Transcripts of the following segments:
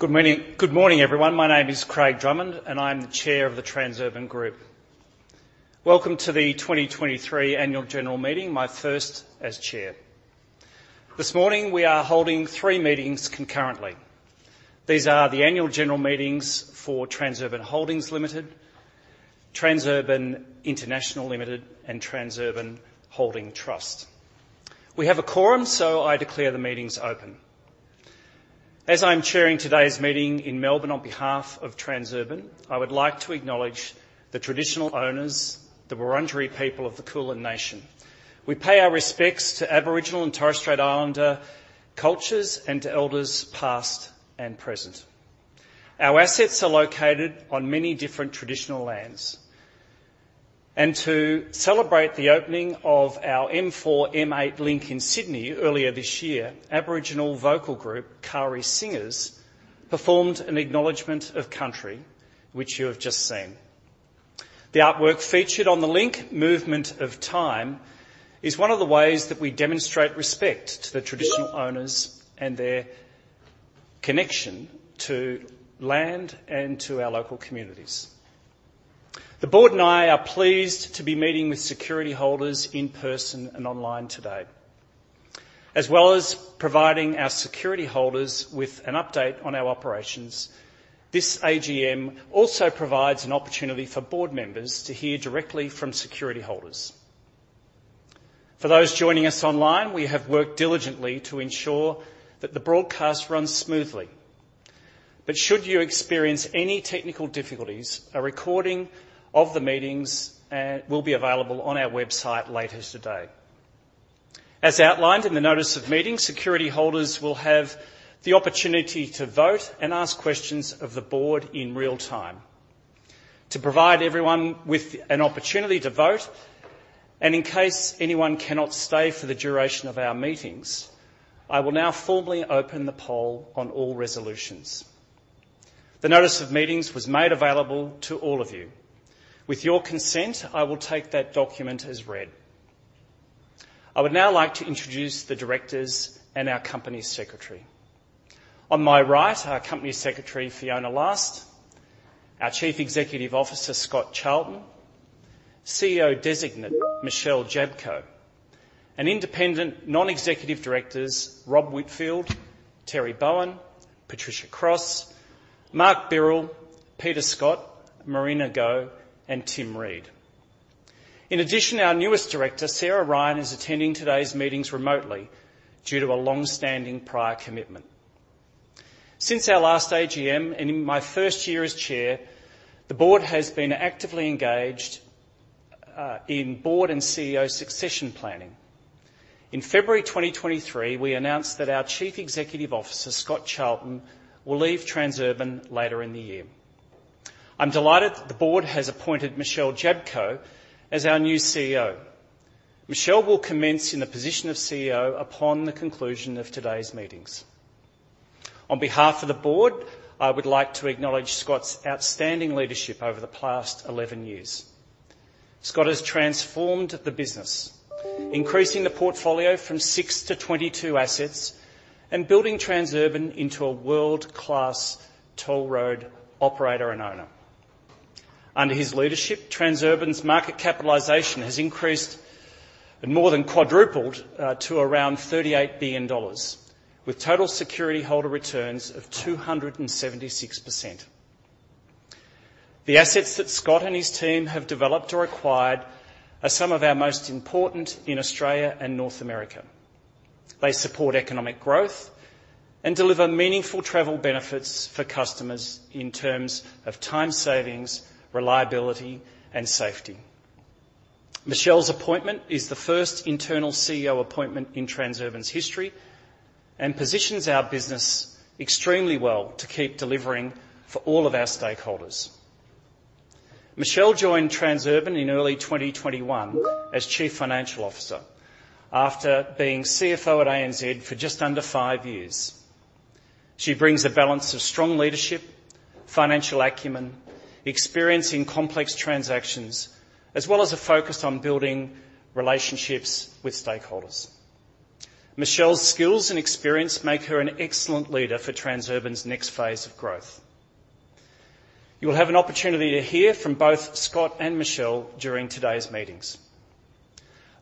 Good morning, good morning, everyone. My name is Craig Drummond, and I'm the Chair of the Transurban Group. Welcome to the 2023 annual general meeting, my first as chair. This morning, we are holding three meetings concurrently. These are the annual general meetings for Transurban Holdings Limited, Transurban International Limited, and Transurban Holding Trust. We have a quorum, so I declare the meetings open. As I'm chairing today's meeting in Melbourne on behalf of Transurban, I would like to acknowledge the traditional owners, the Wurundjeri people of the Kulin Nation. We pay our respects to Aboriginal and Torres Strait Islander cultures and to elders past and present. Our assets are located on many different traditional lands. And to celebrate the opening of our M4-M8 Link in Sydney earlier this year, Aboriginal vocal group, KARI Singers, performed an acknowledgment of country, which you have just seen. The artwork featured on the link, Movement of Time, is one of the ways that we demonstrate respect to the traditional owners and their connection to land and to our local communities. The board and I are pleased to be meeting with security holders in person and online today. As well as providing our security holders with an update on our operations, this AGM also provides an opportunity for board members to hear directly from security holders. For those joining us online, we have worked diligently to ensure that the broadcast runs smoothly. But should you experience any technical difficulties, a recording of the meetings will be available on our website later today. As outlined in the notice of meeting, security holders will have the opportunity to vote and ask questions of the board in real time. To provide everyone with an opportunity to vote, and in case anyone cannot stay for the duration of our meetings, I will now formally open the poll on all resolutions. The notice of meetings was made available to all of you. With your consent, I will take that document as read. I would now like to introduce the directors and our company secretary. On my right, our Company Secretary, Fiona Last, our Chief Executive Officer, Scott Charlton, CEO Designate, Michelle Jablko, and independent non-executive directors, Rob Whitfield, Terry Bowen, Patricia Cross, Mark Birrell, Peter Scott, Marina Go, and Tim Reed. In addition, our newest director, Sarah Ryan, is attending today's meetings remotely due to a long-standing prior commitment. Since our last AGM, and in my first year as chair, the board has been actively engaged in board and CEO succession planning. In February 2023, we announced that our Chief Executive Officer, Scott Charlton, will leave Transurban later in the year. I'm delighted the board has appointed Michelle Jablko as our new CEO. Michelle will commence in the position of CEO upon the conclusion of today's meetings. On behalf of the board, I would like to acknowledge Scott's outstanding leadership over the past 11 years. Scott has transformed the business, increasing the portfolio from 6 to 22 assets and building Transurban into a world-class toll road operator and owner. Under his leadership, Transurban's market capitalization has increased and more than quadrupled to around 38 billion dollars, with total security holder returns of 276%. The assets that Scott and his team have developed or acquired are some of our most important in Australia and North America. They support economic growth and deliver meaningful travel benefits for customers in terms of time savings, reliability, and safety. Michelle's appointment is the first internal CEO appointment in Transurban's history and positions our business extremely well to keep delivering for all of our stakeholders. Michelle joined Transurban in early 2021 as Chief Financial Officer after being CFO at ANZ for just under 5 years. She brings a balance of strong leadership, financial acumen, experience in complex transactions, as well as a focus on building relationships with stakeholders. Michelle's skills and experience make her an excellent leader for Transurban's next phase of growth. You will have an opportunity to hear from both Scott and Michelle during today's meetings.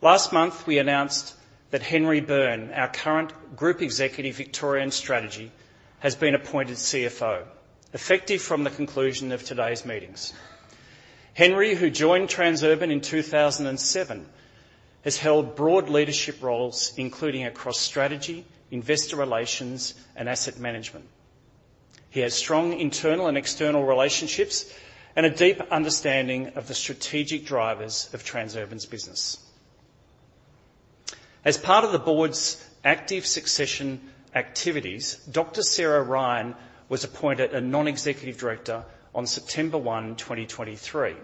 Last month, we announced that Henry Byrne, our current Group Executive Victorian Strategy, has been appointed CFO, effective from the conclusion of today's meetings. Henry, who joined Transurban in 2007, has held broad leadership roles, including across strategy, investor relations, and asset management. He has strong internal and external relationships and a deep understanding of the strategic drivers of Transurban's business. As part of the board's active succession activities, Dr. Sarah Ryan was appointed a non-executive director on September 1, 2023.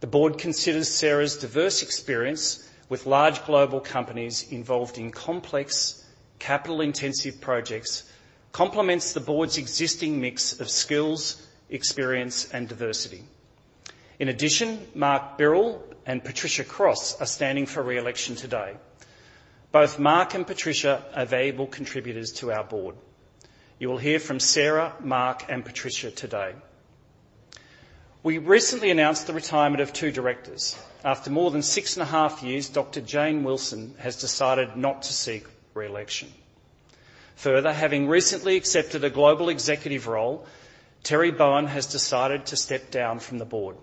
The board considers Sarah's diverse experience with large global companies involved in complex capital-intensive projects, complements the board's existing mix of skills, experience, and diversity.... In addition, Mark Birrell and Patricia Cross are standing for re-election today. Both Mark and Patricia are valuable contributors to our board. You will hear from Sarah, Mark, and Patricia today. We recently announced the retirement of two directors. After more than 6 and a half years, Dr. Jane Wilson has decided not to seek re-election. Further, having recently accepted a global executive role, Terry Bowen has decided to step down from the board.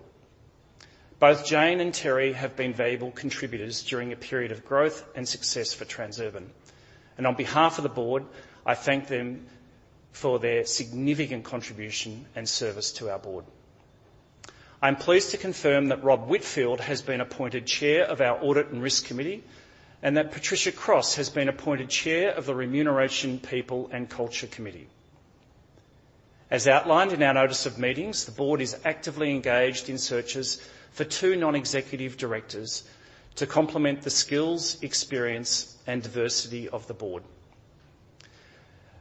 Both Jane and Terry have been valuable contributors during a period of growth and success for Transurban, and on behalf of the board, I thank them for their significant contribution and service to our board. I'm pleased to confirm that Rob Whitfield has been appointed Chair of our Audit and Risk Committee, and that Patricia Cross has been appointed Chair of the Remuneration, People, and Culture Committee. As outlined in our notice of meetings, the board is actively engaged in searches for two non-executive directors to complement the skills, experience, and diversity of the board.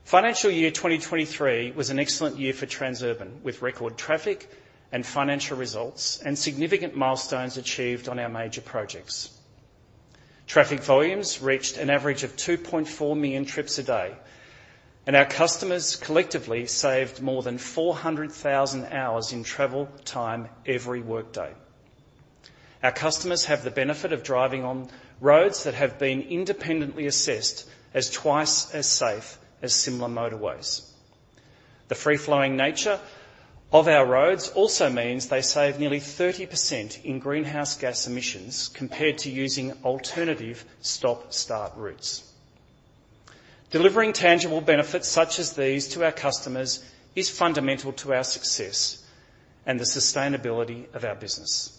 Financial year 2023 was an excellent year for Transurban, with record traffic and financial results, and significant milestones achieved on our major projects. Traffic volumes reached an average of 2.4 million trips a day, and our customers collectively saved more than 400,000 hours in travel time every workday. Our customers have the benefit of driving on roads that have been independently assessed as twice as safe as similar motorways. The free-flowing nature of our roads also means they save nearly 30% in greenhouse gas emissions compared to using alternative stop-start routes. Delivering tangible benefits such as these to our customers is fundamental to our success and the sustainability of our business.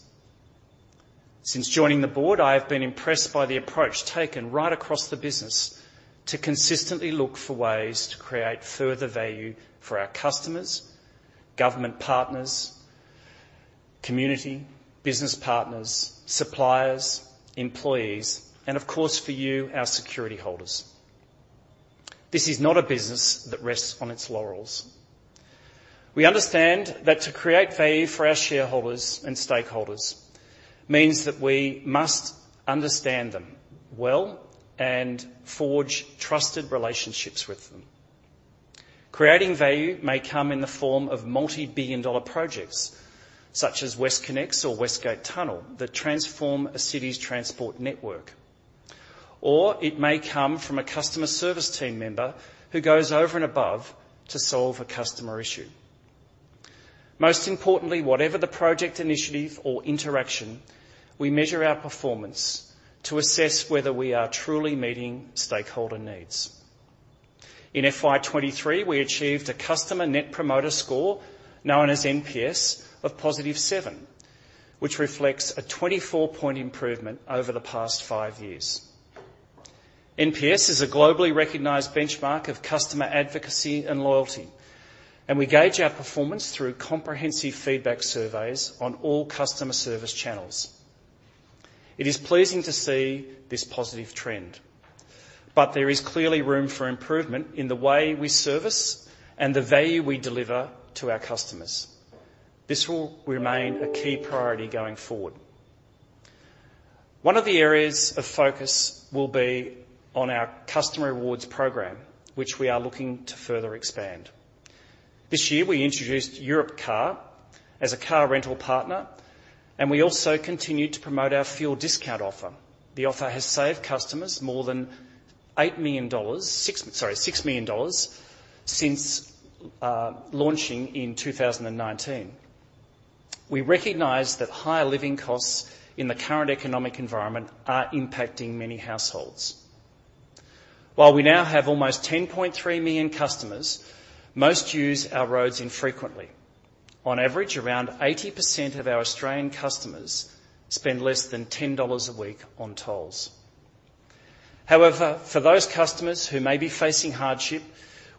Since joining the board, I have been impressed by the approach taken right across the business to consistently look for ways to create further value for our customers, government partners, community, business partners, suppliers, employees, and of course, for you, our security holders. This is not a business that rests on its laurels. We understand that to create value for our shareholders and stakeholders means that we must understand them well and forge trusted relationships with them. Creating value may come in the form of multi-billion dollar projects, such as WestConnex or West Gate Tunnel, that transform a city's transport network. Or it may come from a customer service team member who goes over and above to solve a customer issue. Most importantly, whatever the project, initiative, or interaction, we measure our performance to assess whether we are truly meeting stakeholder needs. In FY 2023, we achieved a customer Net Promoter Score, known as NPS, of +7, which reflects a 24-point improvement over the past 5 years. NPS is a globally recognized benchmark of customer advocacy and loyalty, and we gauge our performance through comprehensive feedback surveys on all customer service channels. It is pleasing to see this positive trend, but there is clearly room for improvement in the way we service and the value we deliver to our customers. This will remain a key priority going forward. One of the areas of focus will be on our customer rewards program, which we are looking to further expand. This year, we introduced Europcar as a car rental partner, and we also continued to promote our fuel discount offer. The offer has saved customers more than 8 million dollars, 6 million dollars since launching in 2019. We recognize that higher living costs in the current economic environment are impacting many households. While we now have almost 10.3 million customers, most use our roads infrequently. On average, around 80% of our Australian customers spend less than 10 dollars a week on tolls. However, for those customers who may be facing hardship,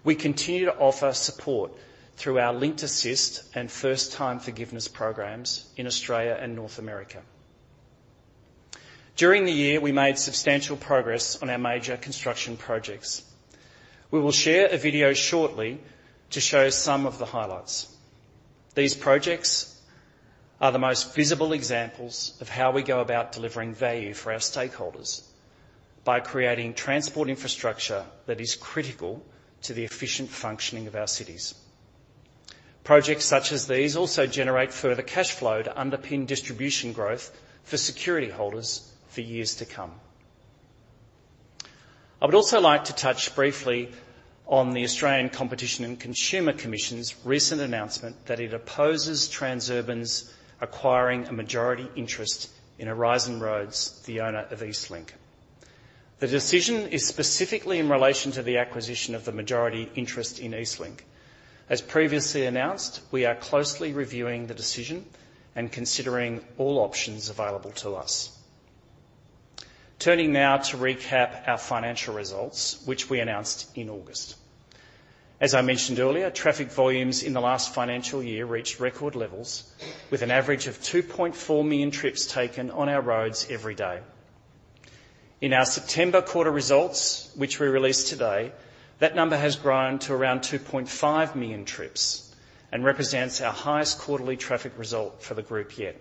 we continue to offer support through our Link Assist and First Time Forgiveness programs in Australia and North America. During the year, we made substantial progress on our major construction projects. We will share a video shortly to show some of the highlights. These projects are the most visible examples of how we go about delivering value for our stakeholders by creating transport infrastructure that is critical to the efficient functioning of our cities. Projects such as these also generate further cash flow to underpin distribution growth for security holders for years to come. I would also like to touch briefly on the Australian Competition and Consumer Commission's recent announcement that it opposes Transurban's acquiring a majority interest in Horizon Roads, the owner of EastLink. The decision is specifically in relation to the acquisition of the majority interest in EastLink. As previously announced, we are closely reviewing the decision and considering all options available to us. Turning now to recap our financial results, which we announced in August. As I mentioned earlier, traffic volumes in the last financial year reached record levels, with an average of 2.4 million trips taken on our roads every day.... In our September quarter results, which we released today, that number has grown to around 2.5 million trips and represents our highest quarterly traffic result for the group yet.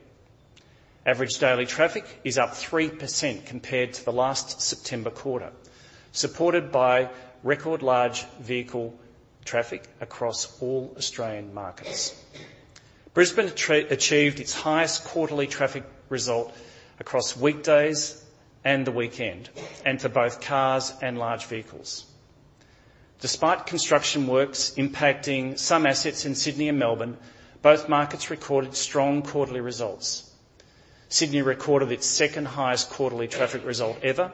Average daily traffic is up 3% compared to the last September quarter, supported by record large vehicle traffic across all Australian markets. Brisbane achieved its highest quarterly traffic result across weekdays and the weekend, and for both cars and large vehicles. Despite construction works impacting some assets in Sydney and Melbourne, both markets recorded strong quarterly results. Sydney recorded its second highest quarterly traffic result ever,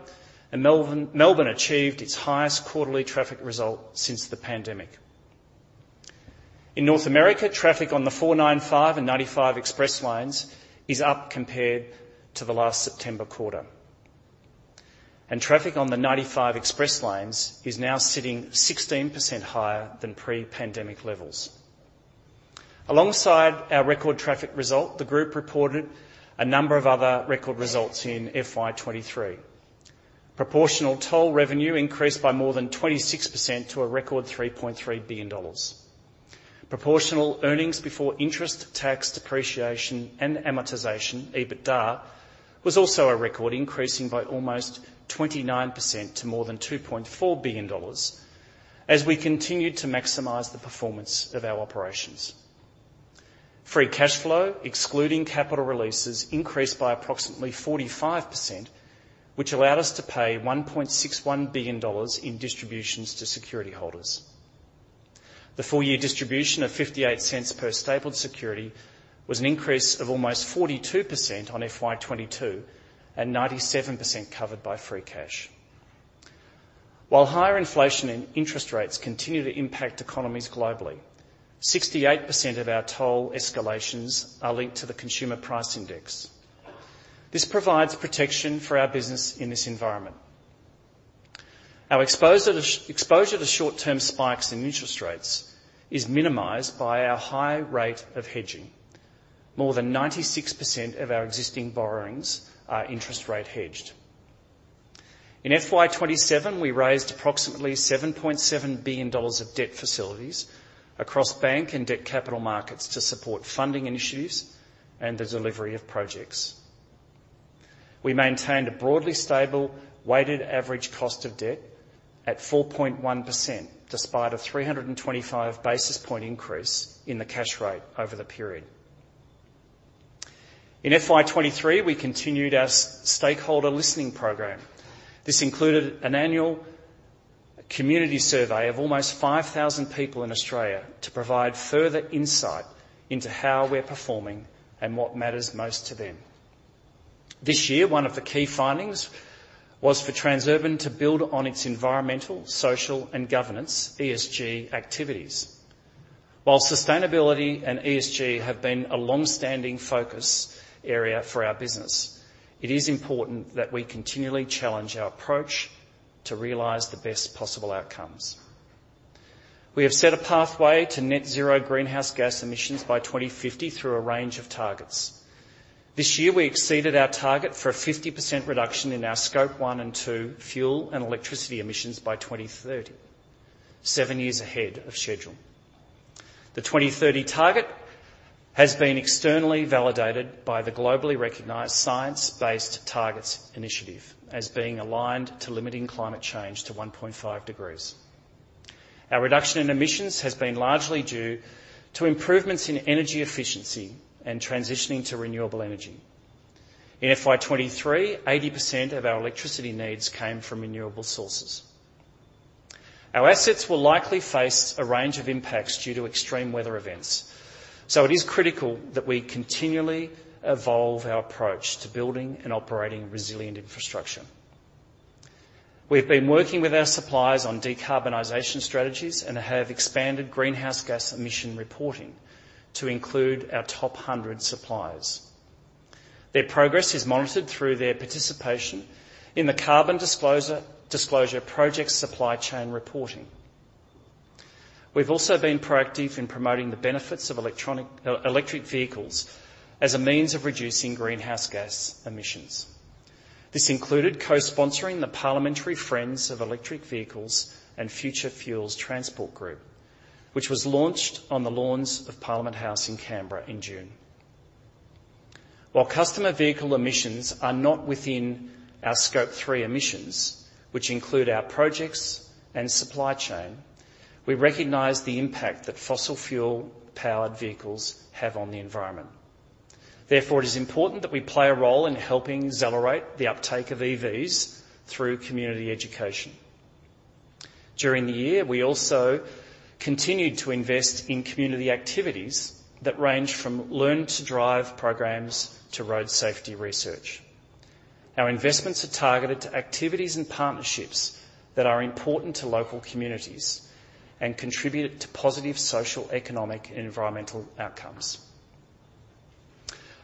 and Melbourne achieved its highest quarterly traffic result since the pandemic. In North America, traffic on the 495 and 95 Express Lanes is up compared to the last September quarter, and traffic on the 95 Express Lanes is now sitting 16% higher than pre-pandemic levels. Alongside our record traffic result, the group reported a number of other record results in FY 2023. Proportional toll revenue increased by more than 26% to a record 3.3 billion dollars. Proportional earnings before interest, tax, depreciation, and amortization, EBITDA, was also a record, increasing by almost 29% to more than 2.4 billion dollars as we continued to maximize the performance of our operations. Free cash flow, excluding capital releases, increased by approximately 45%, which allowed us to pay 1.61 billion dollars in distributions to security holders. The full year distribution of 0.58 per stapled security was an increase of almost 42% on FY 2022, and 97% covered by free cash. While higher inflation and interest rates continue to impact economies globally, 68% of our toll escalations are linked to the Consumer Price Index. This provides protection for our business in this environment. Our exposure to short-term spikes in interest rates is minimized by our high rate of hedging. More than 96% of our existing borrowings are interest rate hedged. In FY 2027, we raised approximately AUD 7.7 billion of debt facilities across bank and debt capital markets to support funding initiatives and the delivery of projects. We maintained a broadly stable, weighted average cost of debt at 4.1%, despite a 325 basis point increase in the cash rate over the period. In FY 2023, we continued our stakeholder listening program. This included an annual community survey of almost 5,000 people in Australia to provide further insight into how we're performing and what matters most to them. This year, one of the key findings was for Transurban to build on its environmental, social, and governance, ESG, activities. While sustainability and ESG have been a long-standing focus area for our business, it is important that we continually challenge our approach to realize the best possible outcomes. We have set a pathway to net zero greenhouse gas emissions by 2050 through a range of targets. This year, we exceeded our target for a 50% reduction in our Scope 1 and Scope 2 fuel and electricity emissions by 2030, seven years ahead of schedule. The 2030 target has been externally validated by the globally recognized Science Based Targets initiative as being aligned to limiting climate change to 1.5 degrees. Our reduction in emissions has been largely due to improvements in energy efficiency and transitioning to renewable energy. In FY 2023, 80% of our electricity needs came from renewable sources. Our assets will likely face a range of impacts due to extreme weather events, so it is critical that we continually evolve our approach to building and operating resilient infrastructure. We've been working with our suppliers on decarbonization strategies and have expanded greenhouse gas emission reporting to include our top 100 suppliers. Their progress is monitored through their participation in the Carbon Disclosure Project's supply chain reporting. We've also been proactive in promoting the benefits of electric vehicles as a means of reducing greenhouse gas emissions. This included co-sponsoring the Parliamentary Friends of Electric Vehicles and Future Fuels Transport Group, which was launched on the lawns of Parliament House in Canberra in June. While customer vehicle emissions are not within our Scope 3 emissions, which include our projects and supply chain, we recognize the impact that fossil fuel-powered vehicles have on the environment. Therefore, it is important that we play a role in helping accelerate the uptake of EVs through community education. During the year, we also continued to invest in community activities that range from learn to drive programs to road safety research. Our investments are targeted to activities and partnerships that are important to local communities and contribute to positive social, economic, and environmental outcomes.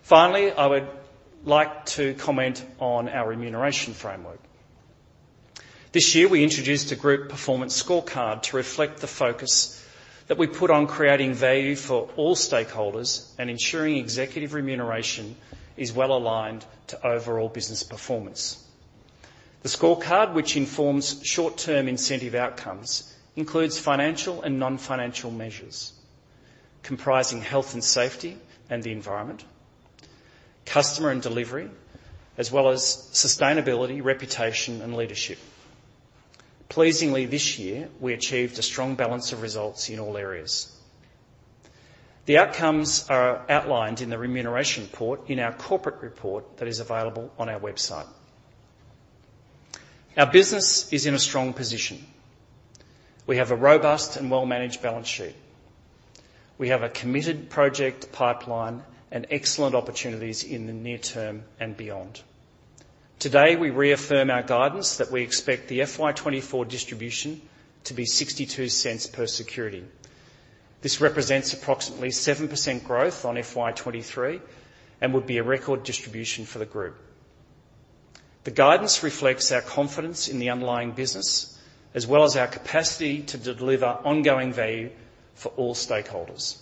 Finally, I would like to comment on our remuneration framework. This year, we introduced a group performance scorecard to reflect the focus that we put on creating value for all stakeholders and ensuring executive remuneration is well aligned to overall business performance. The scorecard, which informs short-term incentive outcomes, includes financial and non-financial measures, comprising health and safety and the environment, customer and delivery, as well as sustainability, reputation, and leadership. Pleasingly, this year, we achieved a strong balance of results in all areas. The outcomes are outlined in the remuneration report in our corporate report that is available on our website. Our business is in a strong position. We have a robust and well-managed balance sheet We have a committed project pipeline and excellent opportunities in the near term and beyond. Today, we reaffirm our guidance that we expect the FY 2024 distribution to be 0.62 per security. This represents approximately 7% growth on FY 2023 and would be a record distribution for the group. The guidance reflects our confidence in the underlying business, as well as our capacity to deliver ongoing value for all stakeholders.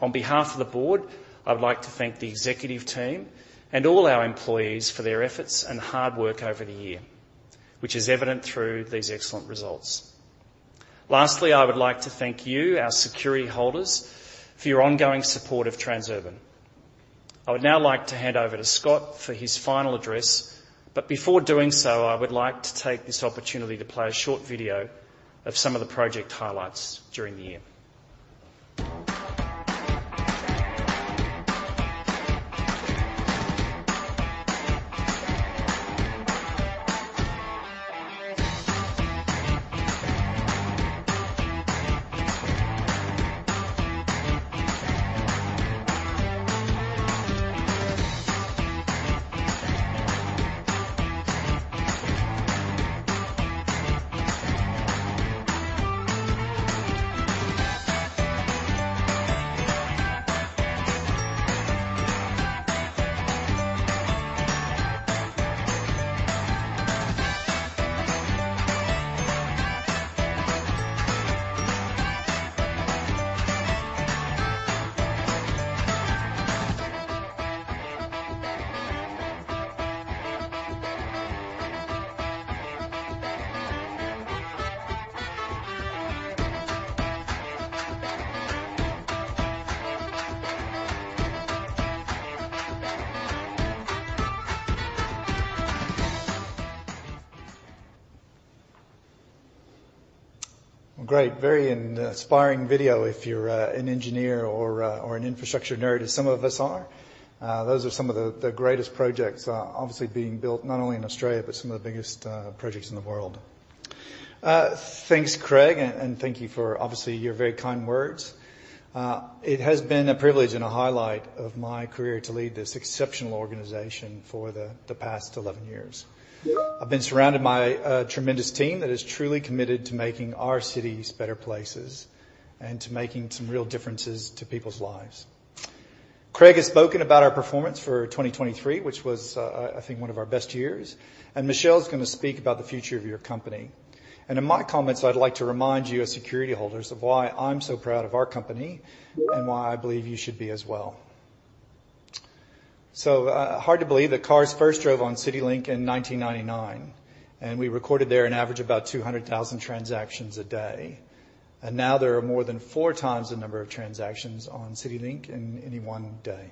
On behalf of the board, I would like to thank the executive team and all our employees for their efforts and hard work over the year, which is evident through these excellent results. Lastly, I would like to thank you, our security holders, for your ongoing support of Transurban. I would now like to hand over to Scott for his final address, but before doing so, I would like to take this opportunity to play a short video of some of the project highlights during the year. Great, very inspiring video if you're an engineer or an infrastructure nerd, as some of us are. Those are some of the greatest projects, obviously being built not only in Australia, but some of the biggest projects in the world. Thanks, Craig, and thank you for, obviously, your very kind words. It has been a privilege and a highlight of my career to lead this exceptional organization for the past 11 years. I've been surrounded by a tremendous team that is truly committed to making our cities better places and to making some real differences to people's lives. Craig has spoken about our performance for 2023, which was, I think, one of our best years, and Michelle is gonna speak about the future of your company. In my comments, I'd like to remind you, as security holders, of why I'm so proud of our company and why I believe you should be as well. So, hard to believe that cars first drove on CityLink in 1999, and we recorded there an average of about 200,000 transactions a day. Now there are more than 4x the number of transactions on CityLink in any one day.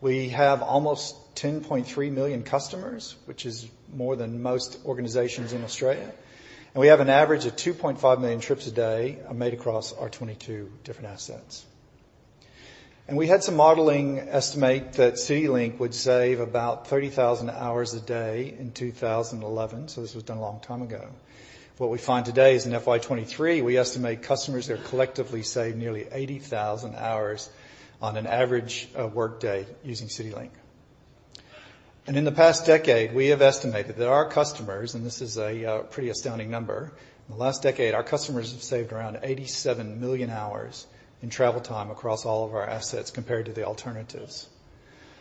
We have almost 10.3 million customers, which is more than most organizations in Australia, and we have an average of 2.5 million trips a day made across our 22 different assets. We had some modeling estimate that CityLink would save about 30,000 hours a day in 2011, so this was done a long time ago. What we find today is in FY 2023, we estimate customers there collectively save nearly 80,000 hours on an average workday using CityLink. And in the past decade, we have estimated that our customers, and this is a pretty astounding number, in the last decade, our customers have saved around 87 million hours in travel time across all of our assets compared to the alternatives.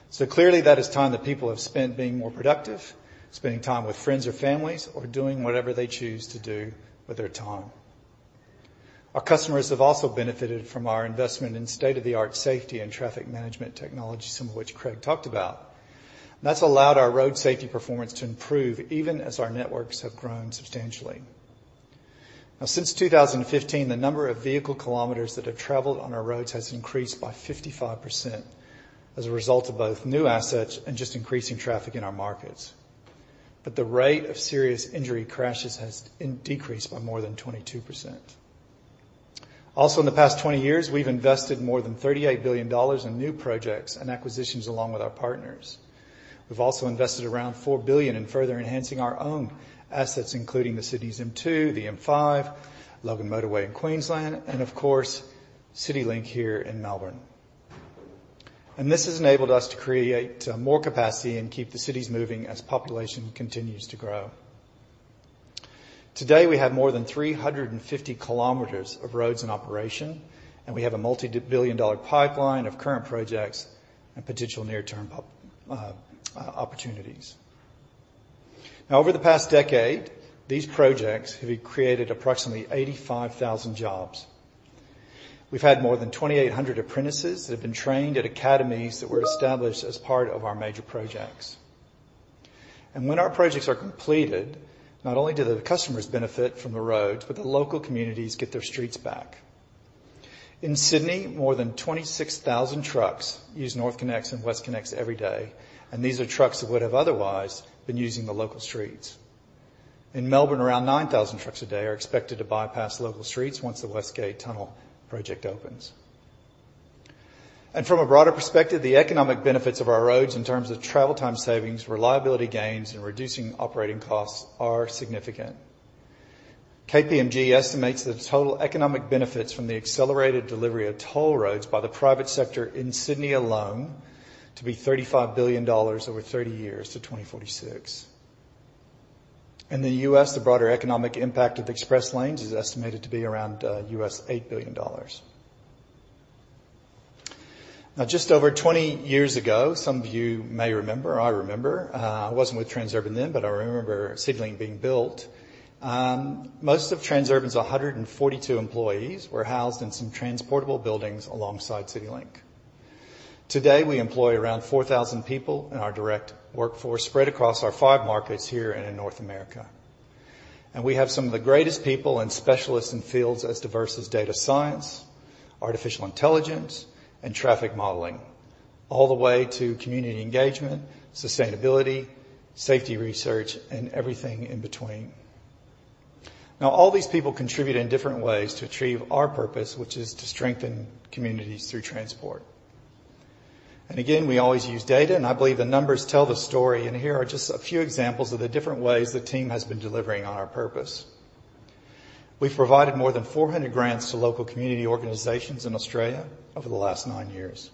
So clearly, that is time that people have spent being more productive, spending time with friends or families, or doing whatever they choose to do with their time. Our customers have also benefited from our investment in state-of-the-art safety and traffic management technology, some of which Craig talked about. That's allowed our road safety performance to improve even as our networks have grown substantially. Now, since 2015, the number of vehicle kilometers that have traveled on our roads has increased by 55% as a result of both new assets and just increasing traffic in our markets. But the rate of serious injury crashes has decreased by more than 22%. Also, in the past 20 years, we've invested more than 3.8 billion dollars in new projects and acquisitions, along with our partners. We've also invested around 4 billion in further enhancing our own assets, including the City's M2, the M5, Logan Motorway in Queensland, and of course, CityLink here in Melbourne. And this has enabled us to create more capacity and keep the cities moving as population continues to grow. Today, we have more than 350 kilometers of roads in operation, and we have a multi-billion dollar pipeline of current projects and potential near-term opportunities. Now, over the past decade, these projects have created approximately 85,000 jobs. We've had more than 2,800 apprentices that have been trained at academies that were established as part of our major projects. And when our projects are completed, not only do the customers benefit from the roads, but the local communities get their streets back. In Sydney, more than 26,000 trucks use NorthConnex and WestConnex every day, and these are trucks that would have otherwise been using the local streets. In Melbourne, around 9,000 trucks a day are expected to bypass local streets once the West Gate Tunnel project opens. From a broader perspective, the economic benefits of our roads in terms of travel time savings, reliability gains, and reducing operating costs are significant. KPMG estimates the total economic benefits from the accelerated delivery of toll roads by the private sector in Sydney alone to be 35 billion dollars over 30 years to 2046. In the U.S., the broader economic impact of express lanes is estimated to be around $8 billion. Now, just over 20 years ago, some of you may remember, or I remember, I wasn't with Transurban then, but I remember CityLink being built. Most of Transurban's 142 employees were housed in some transportable buildings alongside CityLink. Today, we employ around 4,000 people in our direct workforce, spread across our 5 markets here and in North America. We have some of the greatest people and specialists in fields as diverse as data science, artificial intelligence, and traffic modeling, all the way to community engagement, sustainability, safety research, and everything in between. Now, all these people contribute in different ways to achieve our purpose, which is to strengthen communities through transport. Again, we always use data, and I believe the numbers tell the story, and here are just a few examples of the different ways the team has been delivering on our purpose. We've provided more than 400 grants to local community organizations in Australia over the last nine years.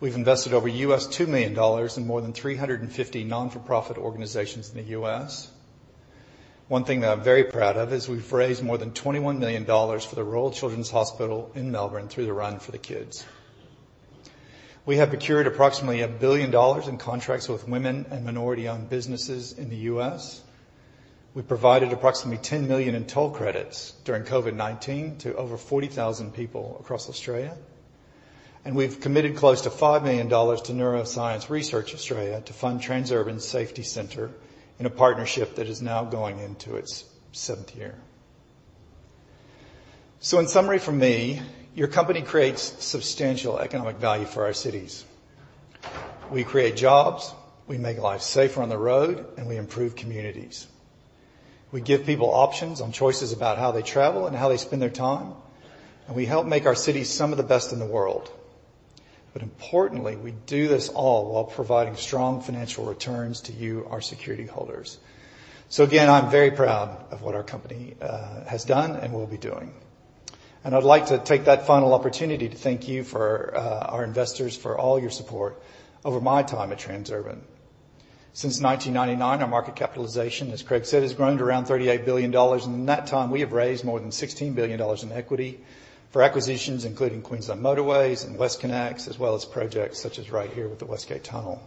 We've invested over $2 million in more than 350 non-profit organizations in the U.S. One thing that I'm very proud of is we've raised more than 21 million dollars for the Royal Children's Hospital in Melbourne through the Run for the Kids. We have procured approximately $1 billion in contracts with women and minority-owned businesses in the U.S. We provided approximately 10 million in toll credits during COVID-19 to over 40,000 people across Australia, and we've committed close to 5 million dollars to Neuroscience Research Australia to fund Transurban's Safety Center in a partnership that is now going into its seventh year. So in summary from me, your company creates substantial economic value for our cities. We create jobs, we make lives safer on the road, and we improve communities. We give people options on choices about how they travel and how they spend their time, and we help make our cities some of the best in the world. But importantly, we do this all while providing strong financial returns to you, our security holders. So again, I'm very proud of what our company has done and will be doing. And I'd like to take that final opportunity to thank you for our investors, for all your support over my time at Transurban. Since 1999, our market capitalization, as Craig said, has grown to around 38 billion dollars, and in that time, we have raised more than 16 billion dollars in equity for acquisitions, including Queensland Motorways and WestConnex, as well as projects such as right here with the West Gate Tunnel.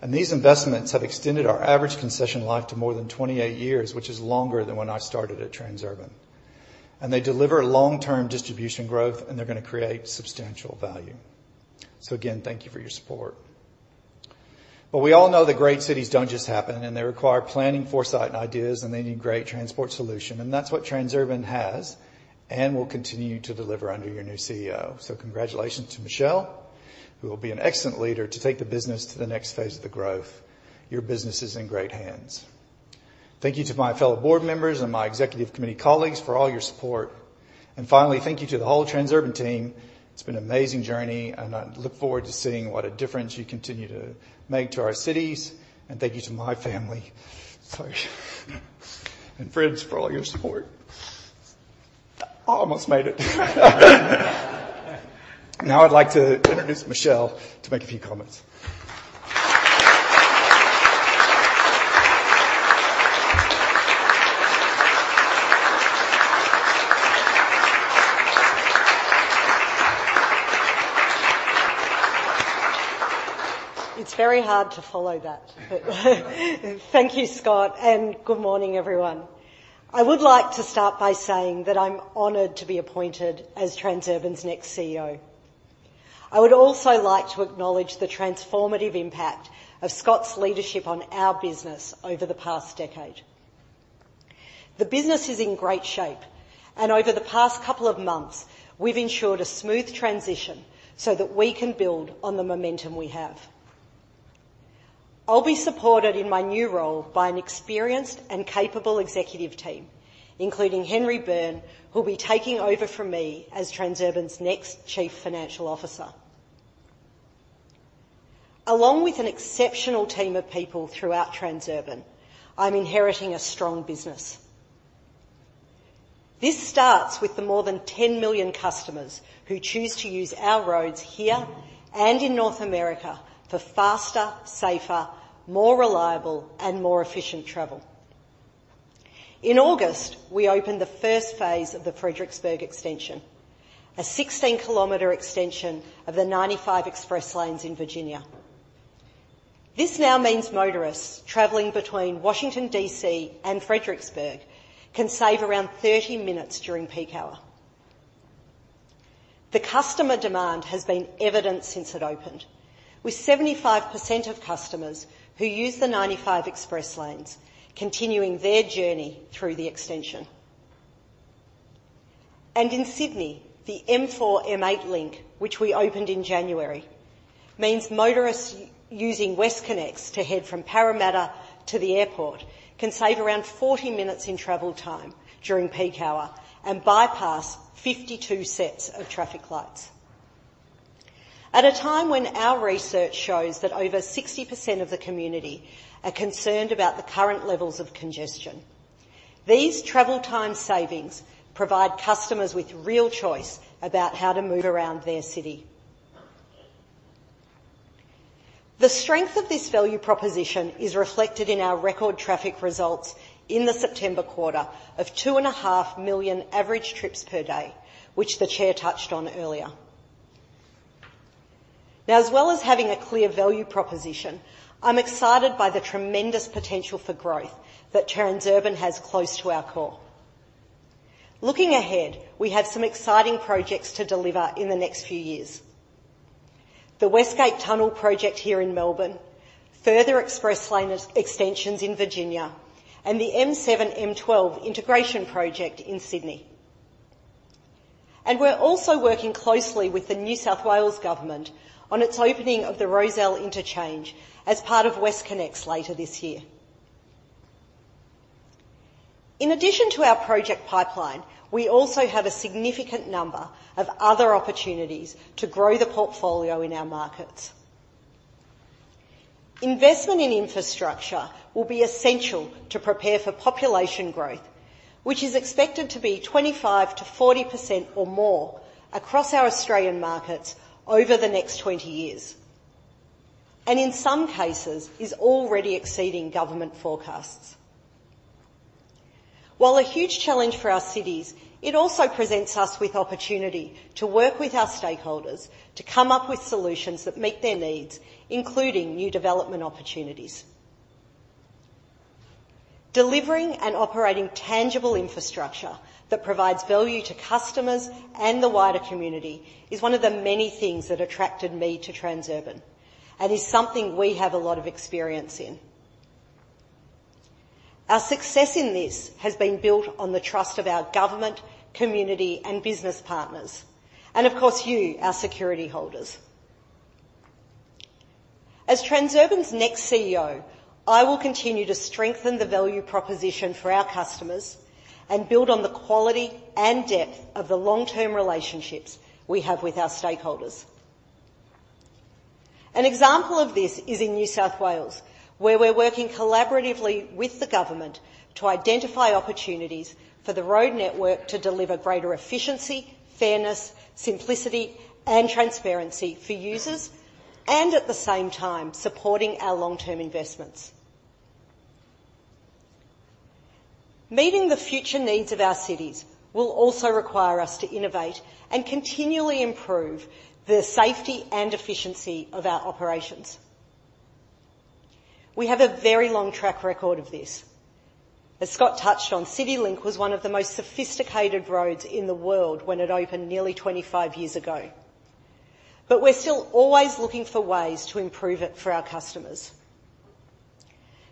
And these investments have extended our average concession life to more than 28 years, which is longer than when I started at Transurban. And they deliver long-term distribution growth, and they're gonna create substantial value. So again, thank you for your support. We all know that great cities don't just happen, and they require planning, foresight, and ideas, and they need great transport solution. That's what Transurban has and will continue to deliver under your new CEO. Congratulations to Michelle, who will be an excellent leader to take the business to the next phase of the growth. Your business is in great hands. Thank you to my fellow board members and my executive committee colleagues for all your support. Finally, thank you to the whole Transurban team. It's been an amazing journey, and I look forward to seeing what a difference you continue to make to our cities. Thank you to my family sorry, and friends, for all your support. I almost made it. Now, I'd like to introduce Michelle to make a few comments. It's very hard to follow that. Thank you, Scott, and good morning, everyone. I would like to start by saying that I'm honored to be appointed as Transurban's next CEO. I would also like to acknowledge the transformative impact of Scott's leadership on our business over the past decade. The business is in great shape, and over the past couple of months, we've ensured a smooth transition so that we can build on the momentum we have. I'll be supported in my new role by an experienced and capable executive team, including Henry Byrne, who will be taking over from me as Transurban's next Chief Financial Officer. Along with an exceptional team of people throughout Transurban, I'm inheriting a strong business.... This starts with the more than 10 million customers who choose to use our roads here and in North America for faster, safer, more reliable, and more efficient travel. In August, we opened the first phase of the Fredericksburg Extension, a 16-kilometer extension of the 95 Express Lanes in Virginia. This now means motorists traveling between Washington, D.C. and Fredericksburg can save around 30 minutes during peak hour. The customer demand has been evident since it opened, with 75% of customers who use the 95 Express Lanes continuing their journey through the extension. And in Sydney, the M4-M8 Link, which we opened in January, means motorists using WestConnex to head from Parramatta to the airport can save around 40 minutes in travel time during peak hour and bypass 52 sets of traffic lights. At a time when our research shows that over 60% of the community are concerned about the current levels of congestion, these travel time savings provide customers with real choice about how to move around their city. The strength of this value proposition is reflected in our record traffic results in the September quarter of 2.5 million average trips per day, which the chair touched on earlier. Now, as well as having a clear value proposition, I'm excited by the tremendous potential for growth that Transurban has close to our core. Looking ahead, we have some exciting projects to deliver in the next few years: the West Gate Tunnel project here in Melbourne, further express lane extensions in Virginia, and the M7-M12 integration project in Sydney. We're also working closely with the New South Wales Government on its opening of the Rozelle Interchange as part of WestConnex later this year. In addition to our project pipeline, we also have a significant number of other opportunities to grow the portfolio in our markets. Investment in infrastructure will be essential to prepare for population growth, which is expected to be 25%-40% or more across our Australian markets over the next 20 years, and in some cases is already exceeding government forecasts. While a huge challenge for our cities, it also presents us with opportunity to work with our stakeholders to come up with solutions that meet their needs, including new development opportunities. Delivering and operating tangible infrastructure that provides value to customers and the wider community is one of the many things that attracted me to Transurban and is something we have a lot of experience in. Our success in this has been built on the trust of our government, community, and business partners, and of course, you, our security holders. As Transurban's next CEO, I will continue to strengthen the value proposition for our customers and build on the quality and depth of the long-term relationships we have with our stakeholders. An example of this is in New South Wales, where we're working collaboratively with the government to identify opportunities for the road network to deliver greater efficiency, fairness, simplicity, and transparency for users, and at the same time, supporting our long-term investments. Meeting the future needs of our cities will also require us to innovate and continually improve the safety and efficiency of our operations. We have a very long track record of this. As Scott touched on, CityLink was one of the most sophisticated roads in the world when it opened nearly 25 years ago. But we're still always looking for ways to improve it for our customers.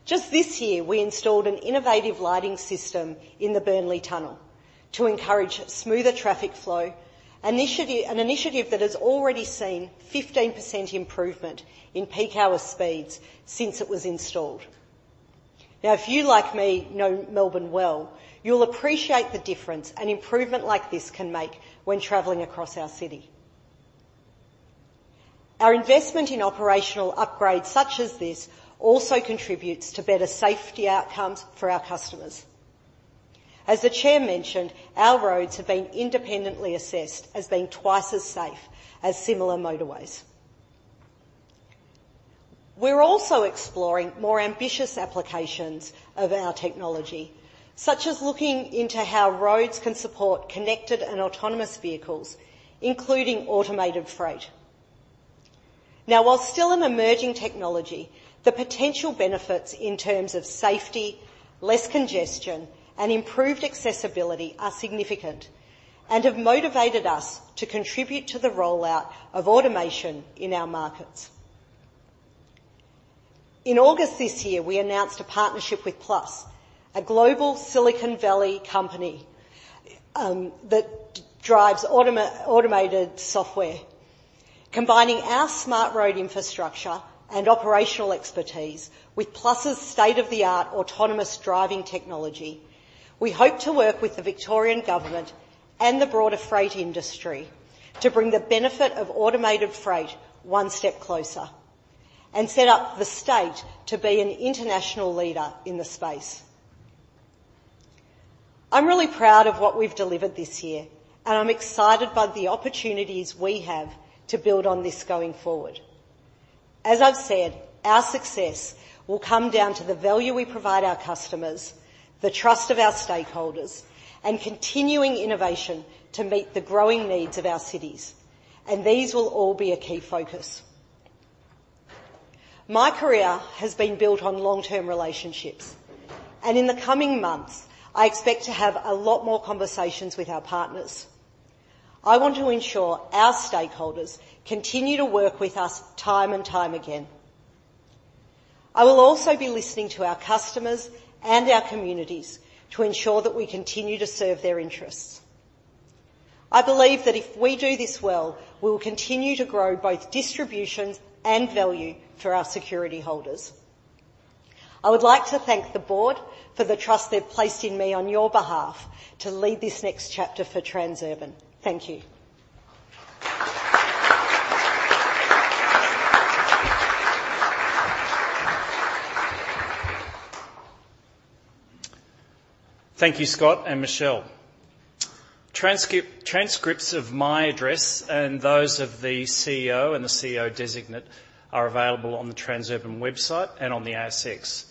Just this year, we installed an innovative lighting system in the Burnley Tunnel to encourage smoother traffic flow, an initiative that has already seen 15% improvement in peak hour speeds since it was installed. Now, if you, like me, know Melbourne well, you'll appreciate the difference an improvement like this can make when traveling across our city. Our investment in operational upgrades such as this also contributes to better safety outcomes for our customers. As the chair mentioned, our roads have been independently assessed as being twice as safe as similar motorways. We're also exploring more ambitious applications of our technology, such as looking into how roads can support connected and autonomous vehicles, including automated freight. Now, while still an emerging technology, the potential benefits in terms of safety, less congestion, and improved accessibility are significant and have motivated us to contribute to the rollout of automation in our markets. In August this year, we announced a partnership with Plus, a global Silicon Valley company, that drives automated software. Combining our smart road infrastructure and operational expertise with Plus' state-of-the-art autonomous driving technology, we hope to work with the Victorian government and the broader freight industry to bring the benefit of automated freight one step closer... and set up the state to be an international leader in the space. I'm really proud of what we've delivered this year, and I'm excited by the opportunities we have to build on this going forward. As I've said, our success will come down to the value we provide our customers, the trust of our stakeholders, and continuing innovation to meet the growing needs of our cities, and these will all be a key focus. My career has been built on long-term relationships, and in the coming months, I expect to have a lot more conversations with our partners. I want to ensure our stakeholders continue to work with us time and time again. I will also be listening to our customers and our communities to ensure that we continue to serve their interests. I believe that if we do this well, we will continue to grow both distribution and value for our security holders. I would like to thank the board for the trust they've placed in me on your behalf to lead this next chapter for Transurban. Thank you. Thank you, Scott and Michelle. Transcripts of my address and those of the CEO and the CEO designate are available on the Transurban website and on the ASX.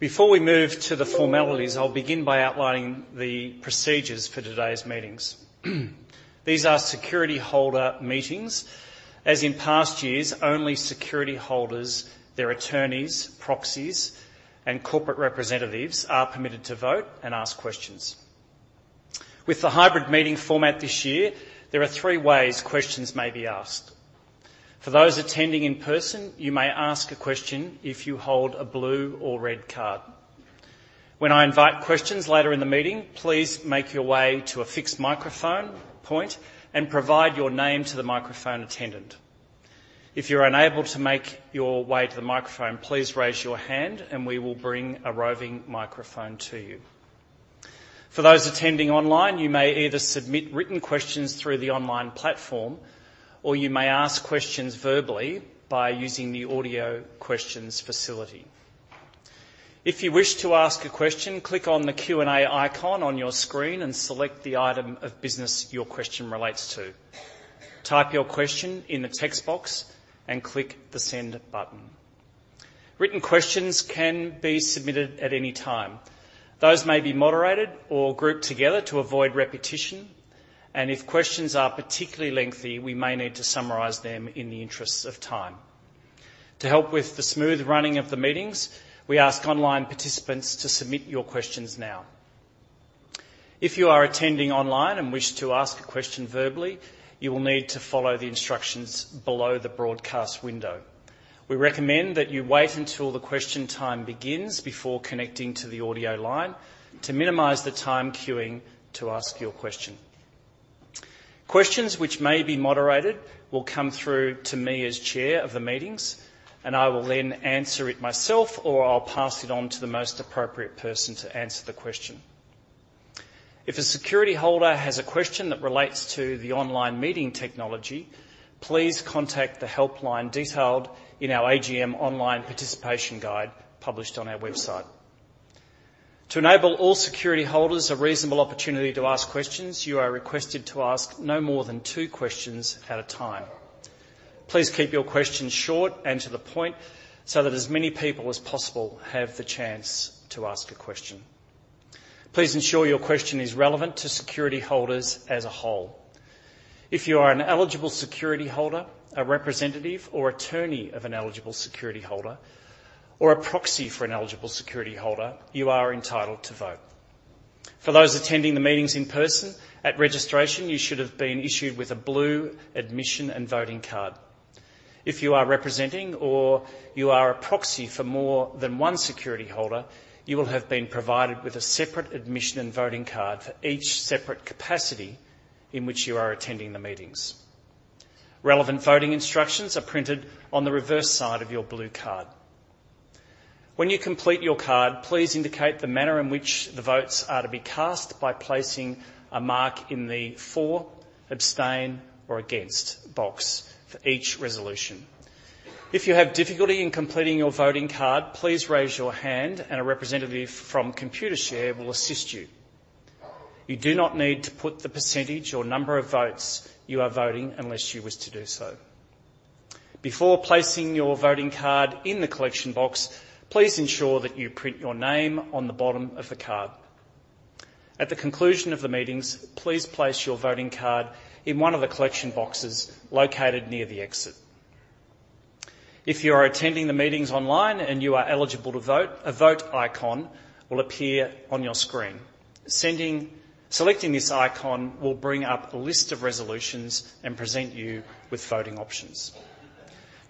Before we move to the formalities, I'll begin by outlining the procedures for today's meetings. These are security holder meetings. As in past years, only security holders, their attorneys, proxies, and corporate representatives are permitted to vote and ask questions. With the hybrid meeting format this year, there are three ways questions may be asked. For those attending in person, you may ask a question if you hold a blue or red card. When I invite questions later in the meeting, please make your way to a fixed microphone point and provide your name to the microphone attendant. If you're unable to make your way to the microphone, please raise your hand and we will bring a roving microphone to you. For those attending online, you may either submit written questions through the online platform, or you may ask questions verbally by using the audio questions facility. If you wish to ask a question, click on the Q&A icon on your screen and select the item of business your question relates to. Type your question in the text box and click the Send button. Written questions can be submitted at any time. Those may be moderated or grouped together to avoid repetition, and if questions are particularly lengthy, we may need to summarize them in the interests of time. To help with the smooth running of the meetings, we ask online participants to submit your questions now. If you are attending online and wish to ask a question verbally, you will need to follow the instructions below the broadcast window. We recommend that you wait until the question time begins before connecting to the audio line to minimize the time queuing to ask your question. Questions which may be moderated will come through to me as chair of the meetings, and I will then answer it myself, or I'll pass it on to the most appropriate person to answer the question. If a security holder has a question that relates to the online meeting technology, please contact the helpline detailed in our AGM online participation guide, published on our website. To enable all security holders a reasonable opportunity to ask questions, you are requested to ask no more than two questions at a time. Please keep your questions short and to the point so that as many people as possible have the chance to ask a question. Please ensure your question is relevant to security holders as a whole. If you are an eligible security holder, a representative or attorney of an eligible security holder, or a proxy for an eligible security holder, you are entitled to vote. For those attending the meetings in person, at registration, you should have been issued with a blue admission and voting card. If you are representing or you are a proxy for more than one security holder, you will have been provided with a separate admission and voting card for each separate capacity in which you are attending the meetings. Relevant voting instructions are printed on the reverse side of your blue card. When you complete your card, please indicate the manner in which the votes are to be cast by placing a mark in the for, abstain, or against box for each resolution. If you have difficulty in completing your voting card, please raise your hand and a representative from Computershare will assist you. You do not need to put the percentage or number of votes you are voting unless you wish to do so. Before placing your voting card in the collection box, please ensure that you print your name on the bottom of the card. At the conclusion of the meetings, please place your voting card in one of the collection boxes located near the exit. If you are attending the meetings online and you are eligible to vote, a vote icon will appear on your screen. Selecting this icon will bring up a list of resolutions and present you with voting options.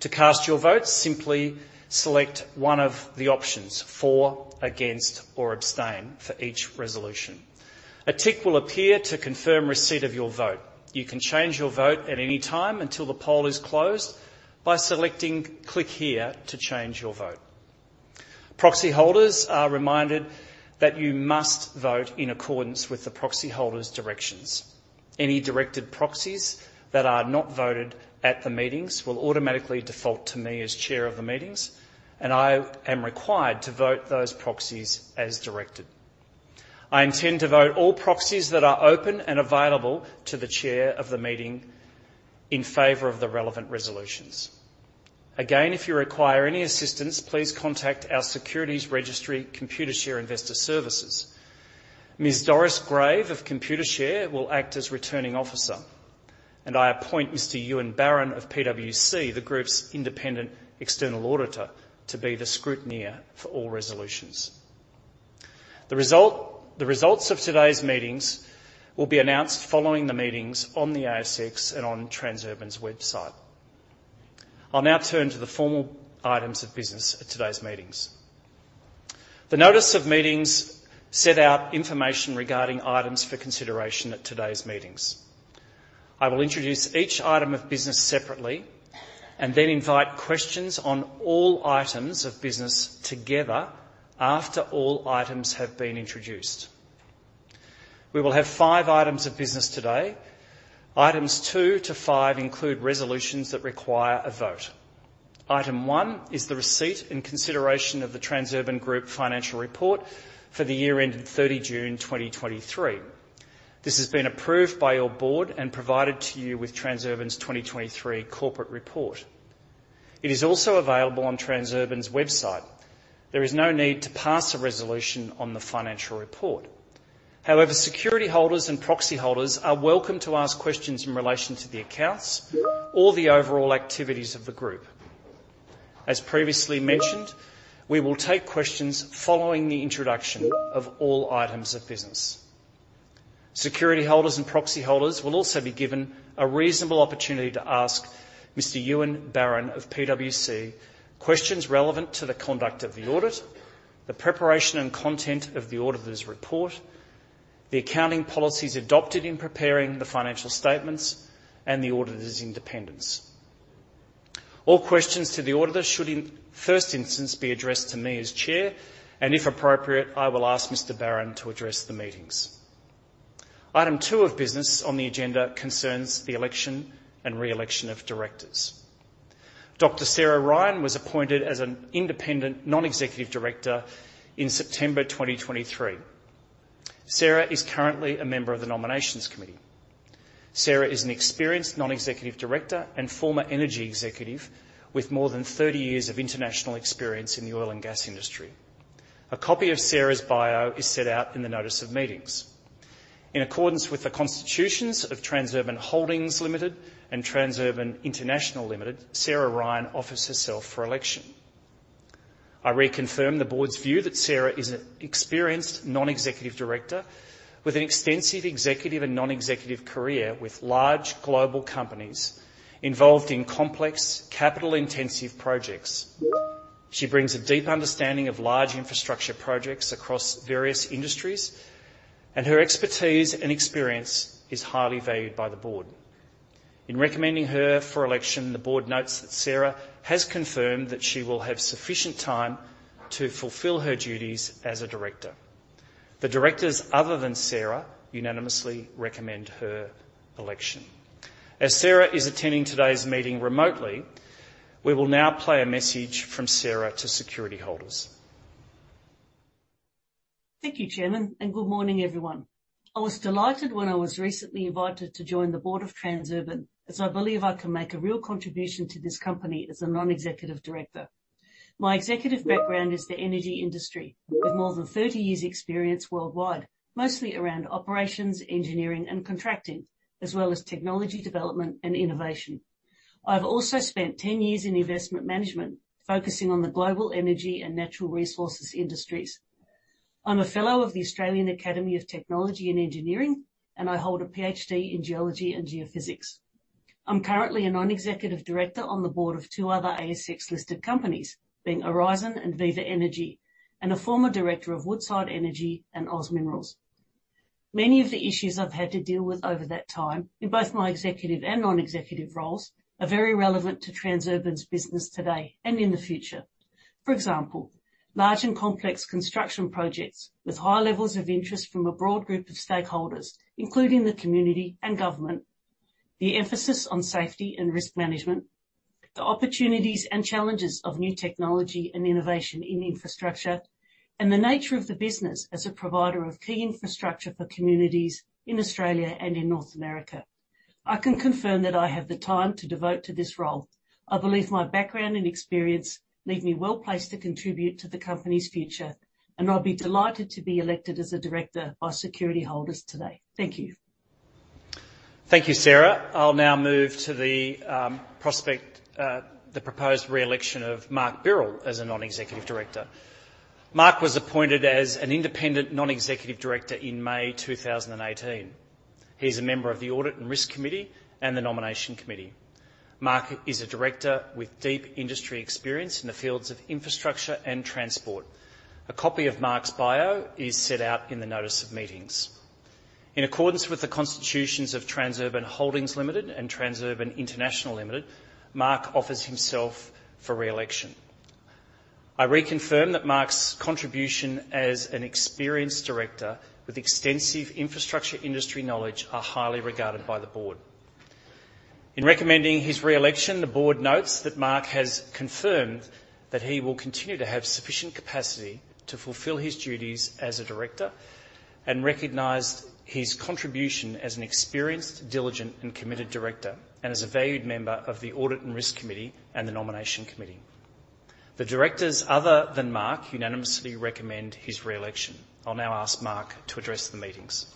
To cast your vote, simply select one of the options: for, against, or abstain for each resolution. A tick will appear to confirm receipt of your vote. You can change your vote at any time until the poll is closed by selecting 'Click here to change your vote.' Proxy holders are reminded that you must vote in accordance with the proxy holder's directions. Any directed proxies that are not voted at the meetings will automatically default to me as chair of the meetings, and I am required to vote those proxies as directed. I intend to vote all proxies that are open and available to the chair of the meeting in favor of the relevant resolutions. Again, if you require any assistance, please contact our securities registry, Computershare Investor Services. Ms. Doris Greig of Computershare will act as Returning Officer, and I appoint Mr. Ewan Barron of PwC, the group's independent external auditor, to be the scrutineer for all resolutions. The results of today's meetings will be announced following the meetings on the ASX and on Transurban's website. I'll now turn to the formal items of business at today's meetings. The notice of meetings set out information regarding items for consideration at today's meetings. I will introduce each item of business separately and then invite questions on all items of business together after all items have been introduced. We will have five items of business today. Items two to five include resolutions that require a vote. Item one is the receipt and consideration of the Transurban Group financial report for the year ending 30 June 2023. This has been approved by your board and provided to you with Transurban's 2023 corporate report. It is also available on Transurban's website. There is no need to pass a resolution on the financial report. However, security holders and proxy holders are welcome to ask questions in relation to the accounts or the overall activities of the Group. As previously mentioned, we will take questions following the introduction of all items of business. Security holders and proxy holders will also be given a reasonable opportunity to ask Mr. Ewan Barron of PwC questions relevant to the conduct of the audit, the preparation and content of the auditor's report, the accounting policies adopted in preparing the financial statements, and the auditor's independence. All questions to the auditor should in first instance, be addressed to me as Chair, and if appropriate, I will ask Mr. Barron to address the meetings. Item two of business on the agenda concerns the election and re-election of directors. Dr. Sarah Ryan was appointed as an independent non-executive director in September 2023. Sarah is currently a member of the Nominations Committee. Sarah is an experienced non-executive director and former energy executive with more than 30 years of international experience in the oil and gas industry. A copy of Sarah's bio is set out in the notice of meetings. In accordance with the constitutions of Transurban Holdings Limited and Transurban International Limited, Sarah Ryan offers herself for election. I reconfirm the Board's view that Sarah is an experienced non-executive director with an extensive executive and non-executive career with large global companies involved in complex capital-intensive projects. She brings a deep understanding of large infrastructure projects across various industries, and her expertise and experience is highly valued by the Board. In recommending her for election, the Board notes that Sarah has confirmed that she will have sufficient time to fulfill her duties as a director. The directors, other than Sarah, unanimously recommend her election. As Sarah is attending today's meeting remotely, we will now play a message from Sarah to security holders. Thank you, Chairman, and good morning, everyone. I was delighted when I was recently invited to join the board of Transurban, as I believe I can make a real contribution to this company as a non-executive director. My executive background is the energy industry, with more than 30 years' experience worldwide, mostly around operations, engineering, and contracting, as well as technology development and innovation. I've also spent 10 years in investment management, focusing on the global energy and natural resources industries. I'm a Fellow of the Australian Academy of Technology and Engineering, and I hold a PhD in Geology and Geophysics. I'm currently a non-executive director on the board of two other ASX-listed companies, being Aurizon and Viva Energy, and a former director of Woodside Energy and OZ Minerals. Many of the issues I've had to deal with over that time, in both my executive and non-executive roles, are very relevant to Transurban's business today and in the future. For example, large and complex construction projects with high levels of interest from a broad group of stakeholders, including the community and government, the emphasis on safety and risk management, the opportunities and challenges of new technology and innovation in infrastructure, and the nature of the business as a provider of key infrastructure for communities in Australia and in North America. I can confirm that I have the time to devote to this role. I believe my background and experience leave me well-placed to contribute to the company's future, and I'll be delighted to be elected as a director by security holders today. Thank you. Thank you, Sarah. I'll now move to the proposed re-election of Mark Birrell as a non-executive director. Mark was appointed as an independent non-executive director in May 2018. He's a member of the Audit and Risk Committee and the Nomination Committee. Mark is a director with deep industry experience in the fields of infrastructure and transport. A copy of Mark's bio is set out in the notice of meetings. In accordance with the constitutions of Transurban Holdings Limited and Transurban International Limited, Mark offers himself for re-election. I reconfirm that Mark's contribution as an experienced director with extensive infrastructure industry knowledge are highly regarded by the board. In recommending his re-election, the board notes that Mark has confirmed that he will continue to have sufficient capacity to fulfill his duties as a director, and recognized his contribution as an experienced, diligent, and committed director, and as a valued member of the Audit and Risk Committee and the Nomination Committee. The directors, other than Mark, unanimously recommend his re-election. I'll now ask Mark to address the meetings.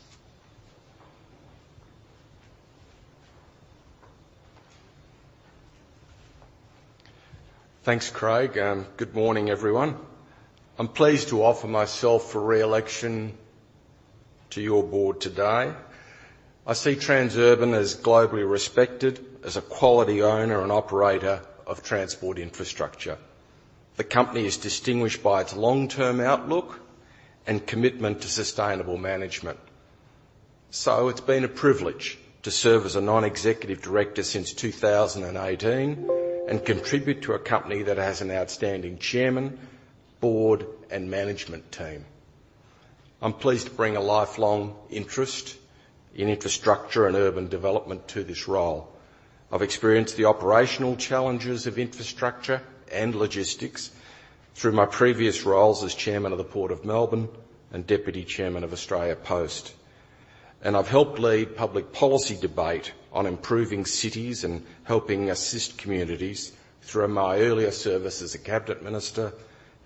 Thanks, Craig, and good morning, everyone. I'm pleased to offer myself for re-election to your board today. I see Transurban as globally respected as a quality owner and operator of transport infrastructure. The company is distinguished by its long-term outlook and commitment to sustainable management. It's been a privilege to serve as a non-executive director since 2018, and contribute to a company that has an outstanding chairman, board, and management team. I'm pleased to bring a lifelong interest in infrastructure and urban development to this role. I've experienced the operational challenges of infrastructure and logistics through my previous roles as chairman of the Port of Melbourne and deputy chairman of Australia Post. I've helped lead public policy debate on improving cities and helping assist communities through my earlier service as a cabinet minister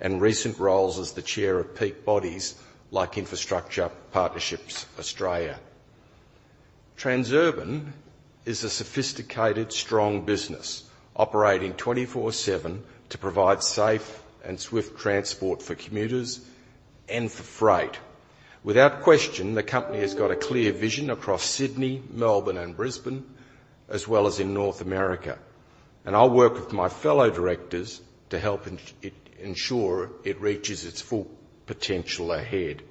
and recent roles as the chair of peak bodies, like Infrastructure Partnerships Australia. Transurban is a sophisticated, strong business, operating 24/7 to provide safe and swift transport for commuters and for freight. Without question, the company has got a clear vision across Sydney, Melbourne, and Brisbane, as well as in North America, and I'll work with my fellow directors to help ensure it reaches its full potential ahead.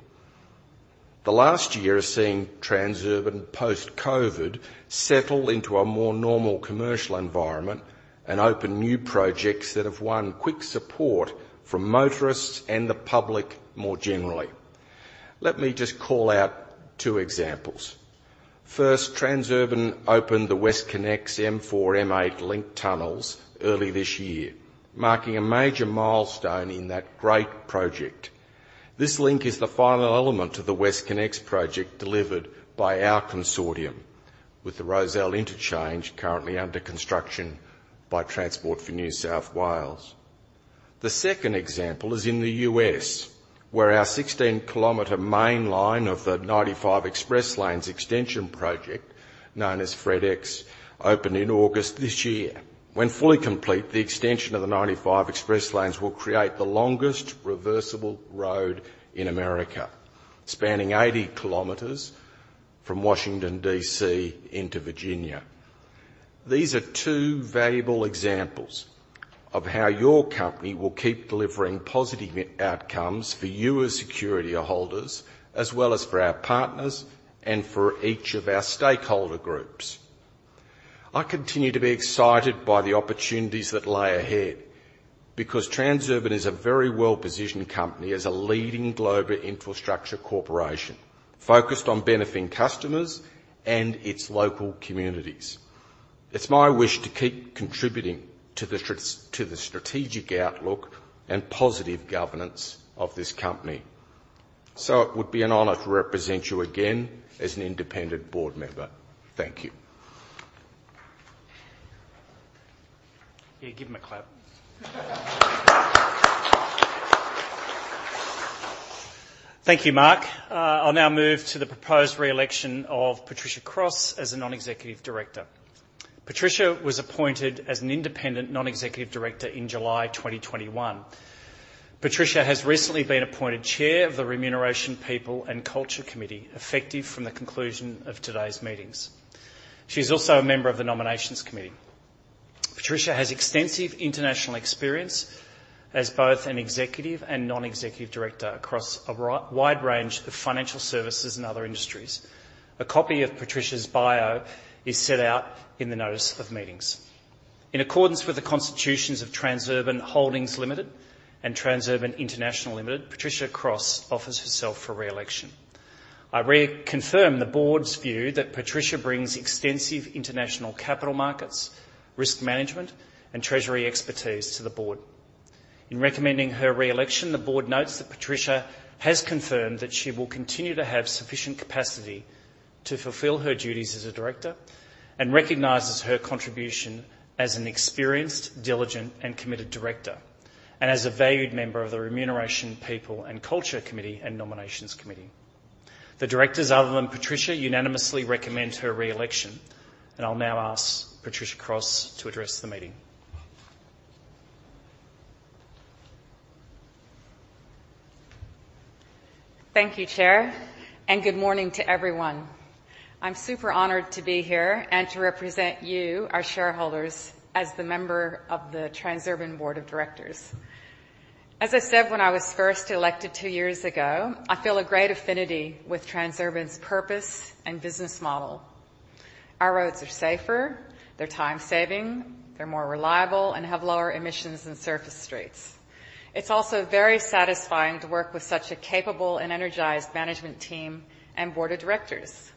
The last year has seen Transurban post-COVID settle into a more normal commercial environment and open new projects that have won quick support from motorists and the public more generally. Let me just call out two examples. First, Transurban opened the WestConnex M4-M8 Link tunnels early this year, marking a major milestone in that great project. This link is the final element of the WestConnex project delivered by our consortium, with the Rozelle Interchange currently under construction by Transport for New South Wales. The second example is in the U.S., where our 16-kilometer main line of the 95 Express Lanes extension project, known as FredEx, opened in August this year. When fully complete, the extension of the 95 Express Lanes will create the longest reversible road in America, spanning 80 kilometers from Washington, D.C., into Virginia. These are two valuable examples of how your company will keep delivering positive outcomes for you as security holders, as well as for our partners and for each of our stakeholder groups. I continue to be excited by the opportunities that lie ahead because Transurban is a very well-positioned company as a leading global infrastructure corporation, focused on benefiting customers and its local communities. It's my wish to keep contributing to the strategic outlook and positive governance of this company. So it would be an honor to represent you again as an independent board member. Thank you. Yeah, give him a clap. Thank you, Mark. I'll now move to the proposed re-election of Patricia Cross as a non-executive director. Patricia was appointed as an independent non-executive director in July 2021. Patricia has recently been appointed Chair of the Remuneration, People, and Culture Committee, effective from the conclusion of today's meetings. She's also a member of the Nominations Committee. Patricia has extensive international experience as both an executive and non-executive director across a wide range of financial services and other industries. A copy of Patricia's bio is set out in the notice of meetings. In accordance with the constitutions of Transurban Holdings Limited and Transurban International Limited, Patricia Cross offers herself for re-election. I reconfirm the board's view that Patricia brings extensive international capital markets, risk management, and treasury expertise to the board. In recommending her re-election, the Board notes that Patricia has confirmed that she will continue to have sufficient capacity to fulfill her duties as a director, and recognizes her contribution as an experienced, diligent, and committed director, and as a valued member of the Remuneration, People, and Culture Committee and Nominations Committee. The Directors, other than Patricia, unanimously recommend her re-election, and I'll now ask Patricia Cross to address the meeting. Thank you, Chair, and good morning to everyone. I'm super honored to be here and to represent you, our shareholders, as the member of the Transurban Board of Directors. As I said when I was first elected two years ago, I feel a great affinity with Transurban's purpose and business model. Our roads are safer, they're time-saving, they're more reliable, and have lower emissions than surface streets. It's also very satisfying to work with such a capable and energized management team and board of directors.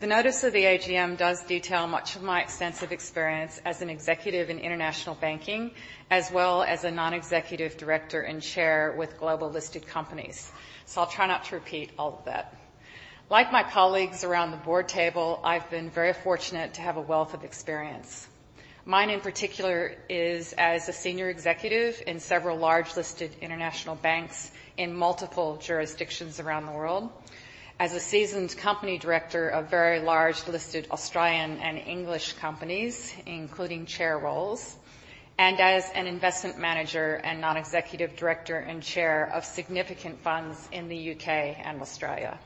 The notice of the AGM does detail much of my extensive experience as an executive in international banking, as well as a non-executive director and chair with global listed companies, so I'll try not to repeat all of that. Like my colleagues around the board table, I've been very fortunate to have a wealth of experience. Mine in particular is as a senior executive in several large listed international banks in multiple jurisdictions around the world, as a seasoned company director of very large listed Australian and English companies, including chair roles, and as an investment manager and non-executive director and chair of significant funds in the U.K. and Australia.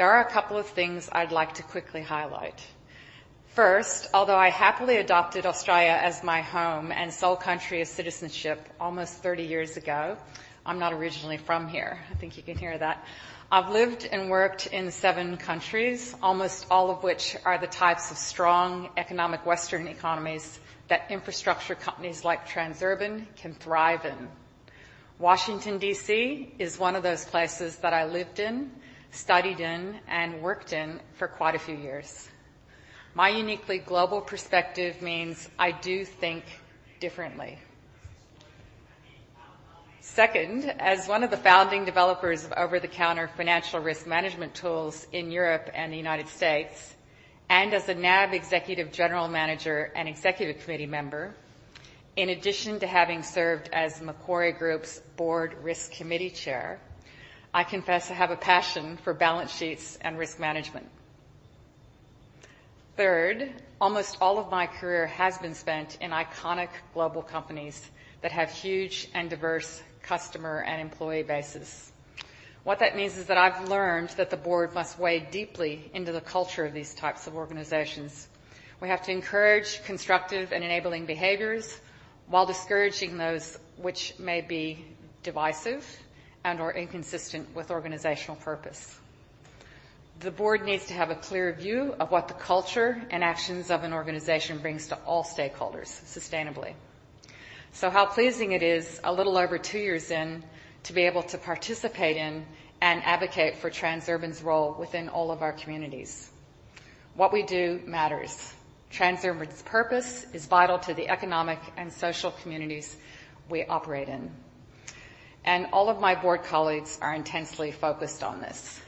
There are a couple of things I'd like to quickly highlight. First, although I happily adopted Australia as my home and sole country of citizenship almost 30 years ago, I'm not originally from here. I think you can hear that. I've lived and worked in seven countries, almost all of which are the types of strong economic Western economies that infrastructure companies like Transurban can thrive in. Washington, D.C., is one of those places that I lived in, studied in, and worked in for quite a few years. My uniquely global perspective means I do think differently. Second, as one of the founding developers of over-the-counter financial risk management tools in Europe and the United States, and as a NAB executive general manager and executive committee member, in addition to having served as Macquarie Group's board risk committee chair, I confess I have a passion for balance sheets and risk management. Third, almost all of my career has been spent in iconic global companies that have huge and diverse customer and employee bases. What that means is that I've learned that the board must wade deeply into the culture of these types of organizations. We have to encourage constructive and enabling behaviors while discouraging those which may be divisive and or inconsistent with organizational purpose. The board needs to have a clear view of what the culture and actions of an organization brings to all stakeholders sustainably. So how pleasing it is, a little over two years in, to be able to participate in and advocate for Transurban's role within all of our communities. What we do matters. Transurban's purpose is vital to the economic and social communities we operate in, and all of my board colleagues are intensely focused on this.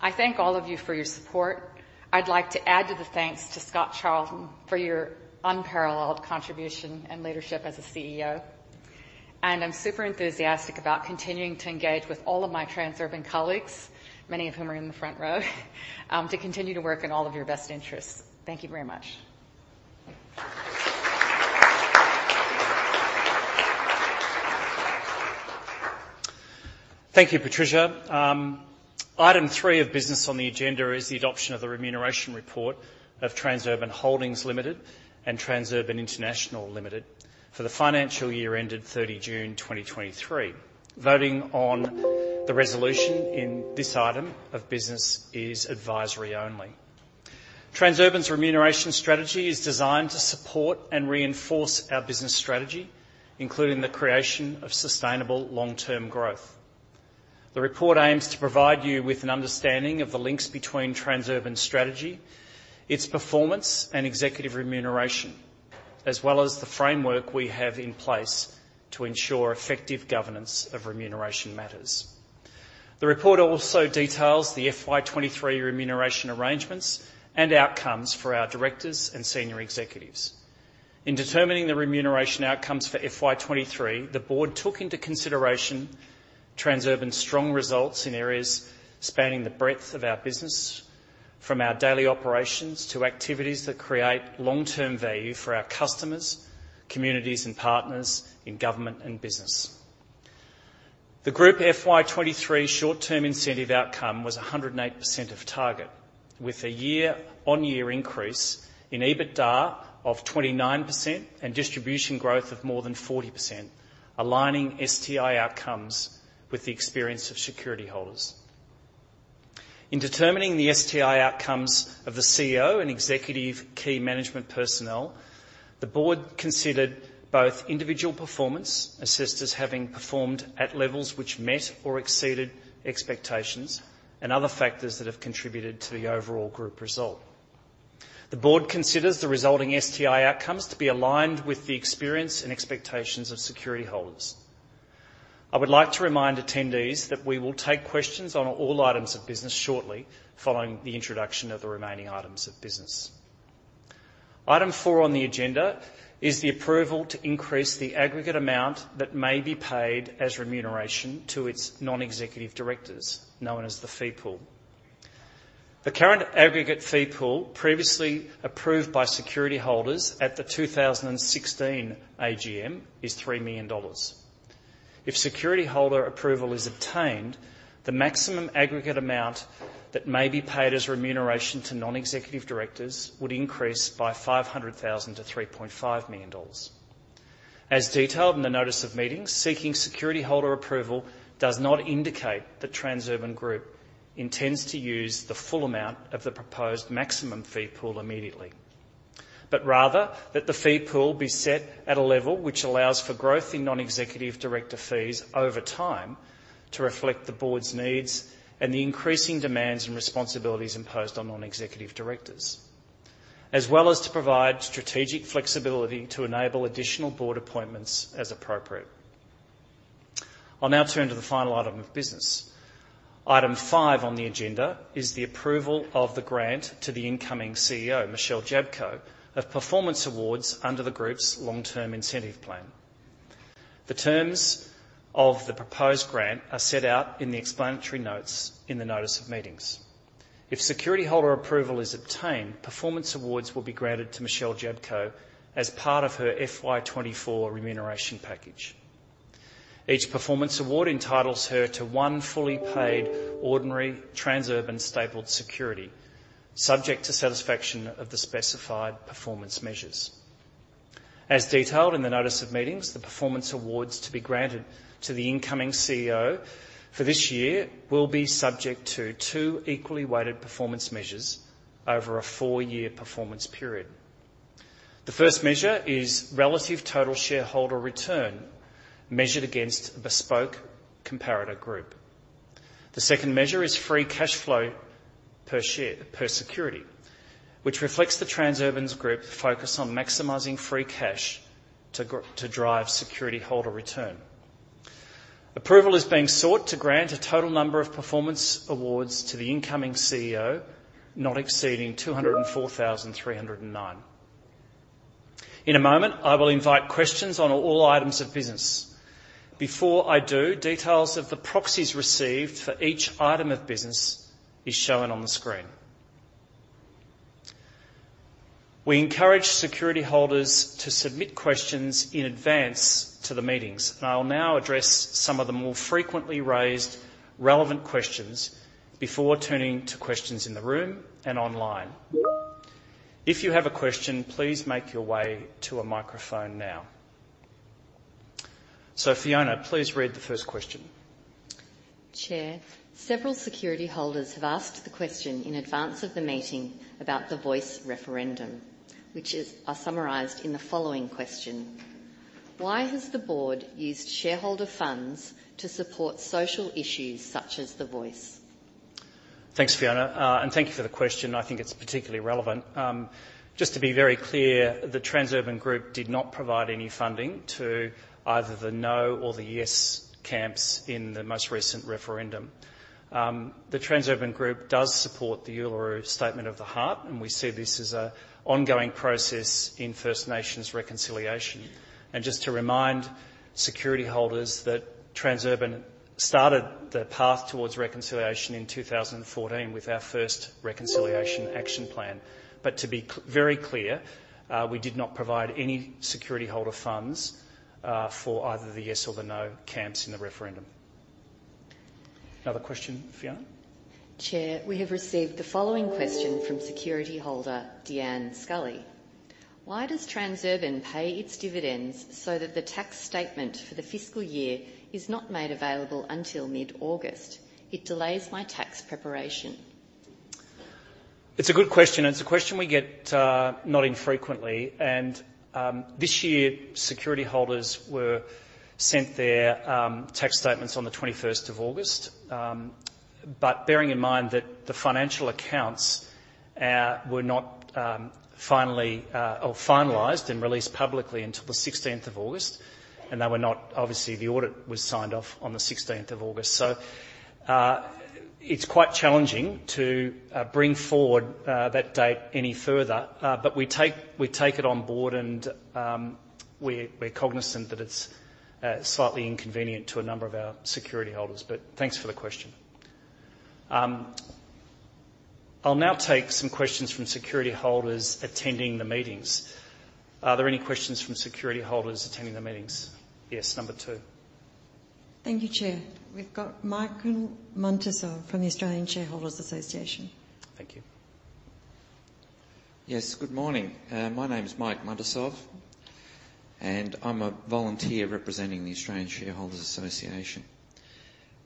I thank all of you for your support. I'd like to add to the thanks to Scott Charlton for your unparalleled contribution and leadership as a CEO, and I'm super enthusiastic about continuing to engage with all of my Transurban colleagues, many of whom are in the front row, to continue to work in all of your best interests. Thank you very much. Thank you, Patricia. Item three of business on the agenda is the adoption of the remuneration report of Transurban Holdings Limited and Transurban International Limited for the financial year ended 30 June 2023. Voting on the resolution in this item of business is advisory only. Transurban's remuneration strategy is designed to support and reinforce our business strategy, including the creation of sustainable long-term growth. The report aims to provide you with an understanding of the links between Transurban's strategy, its performance, and executive remuneration, as well as the framework we have in place to ensure effective governance of remuneration matters. The report also details the FY 2023 remuneration arrangements and outcomes for our directors and senior executives. In determining the remuneration outcomes for FY 2023, the board took into consideration Transurban's strong results in areas spanning the breadth of our business, from our daily operations to activities that create long-term value for our customers, communities, and partners in government and business. The Group FY 2023 short-term incentive outcome was 108% of target, with a year-on-year increase in EBITDA of 29% and distribution growth of more than 40%, aligning STI outcomes with the experience of security holders. In determining the STI outcomes of the CEO and executive key management personnel, the board considered both individual performance, assessed as having performed at levels which met or exceeded expectations, and other factors that have contributed to the overall group result. The board considers the resulting STI outcomes to be aligned with the experience and expectations of security holders. I would like to remind attendees that we will take questions on all items of business shortly following the introduction of the remaining items of business. Item 4 on the agenda is the approval to increase the aggregate amount that may be paid as remuneration to its non-executive directors, known as the fee pool. The current aggregate fee pool, previously approved by security holders at the 2016 AGM, is 3 million dollars. If security holder approval is obtained, the maximum aggregate amount that may be paid as remuneration to non-executive directors would increase by 500,000 to 3.5 million dollars. As detailed in the notice of meetings, seeking security holder approval does not indicate that Transurban Group intends to use the full amount of the proposed maximum fee pool immediately. But rather, that the fee pool be set at a level which allows for growth in non-executive director fees over time to reflect the board's needs and the increasing demands and responsibilities imposed on non-executive directors, as well as to provide strategic flexibility to enable additional board appointments as appropriate. I'll now turn to the final item of business. Item 5 on the agenda is the approval of the grant to the incoming CEO, Michelle Jablko, of performance awards under the group's long-term incentive plan. The terms of the proposed grant are set out in the explanatory notes in the notice of meetings. If security holder approval is obtained, performance awards will be granted to Michelle Jablko as part of her FY 2024 remuneration package. Each performance award entitles her to one fully paid ordinary Transurban stapled security, subject to satisfaction of the specified performance measures. As detailed in the notice of meetings, the performance awards to be granted to the incoming CEO for this year will be subject to two equally weighted performance measures over a four-year performance period. The first measure is relative Total Shareholder Return, measured against a bespoke comparator group. The second measure is Free Cash Flow per share, per security, which reflects the Transurban Group's focus on maximizing free cash to drive security holder return. Approval is being sought to grant a total number of performance awards to the incoming CEO, not exceeding 204,309. In a moment, I will invite questions on all items of business. Before I do, details of the proxies received for each item of business is shown on the screen. We encourage security holders to submit questions in advance to the meetings. I'll now address some of the more frequently raised relevant questions before turning to questions in the room and online. If you have a question, please make your way to a microphone now. So Fiona, please read the first question. Chair, several security holders have asked the question in advance of the meeting about the Voice referendum, which is... I summarized in the following question: Why has the board used shareholder funds to support social issues such as the Voice? Thanks, Fiona. And thank you for the question. I think it's particularly relevant. Just to be very clear, the Transurban Group did not provide any funding to either the 'No' or the 'Yes' camps in the most recent referendum. The Transurban Group does support the Uluru Statement of the Heart, and we see this as an ongoing process in First Nations reconciliation. And just to remind security holders that Transurban started the path towards reconciliation in 2014 with our first reconciliation action plan. But to be very clear, we did not provide any security holder funds for either the 'Yes' or the 'No' camps in the referendum. Another question, Fiona? Chair, we have received the following question from security holder, Deanne Scully: Why does Transurban pay its dividends so that the tax statement for the fiscal year is not made available until mid-August? It delays my tax preparation. It's a good question, and it's a question we get not infrequently, and this year, security holders were sent their tax statements on the 21st of August. But bearing in mind that the financial accounts were not finally or finalized and released publicly until the 16th of August, and they were not. Obviously, the audit was signed off on the 16th of August. So, it's quite challenging to bring forward that date any further. But we take, we take it on board and, we're, we're cognizant that it's slightly inconvenient to a number of our security holders. But thanks for the question. I'll now take some questions from security holders attending the meetings. Are there any questions from security holders attending the meetings? Yes, number two. Thank you, Chair. We've got Michael Muntisov from the Australian Shareholders Association. Thank you. Yes, good morning. My name is Mike Muntisov, and I'm a volunteer representing the Australian Shareholders Association.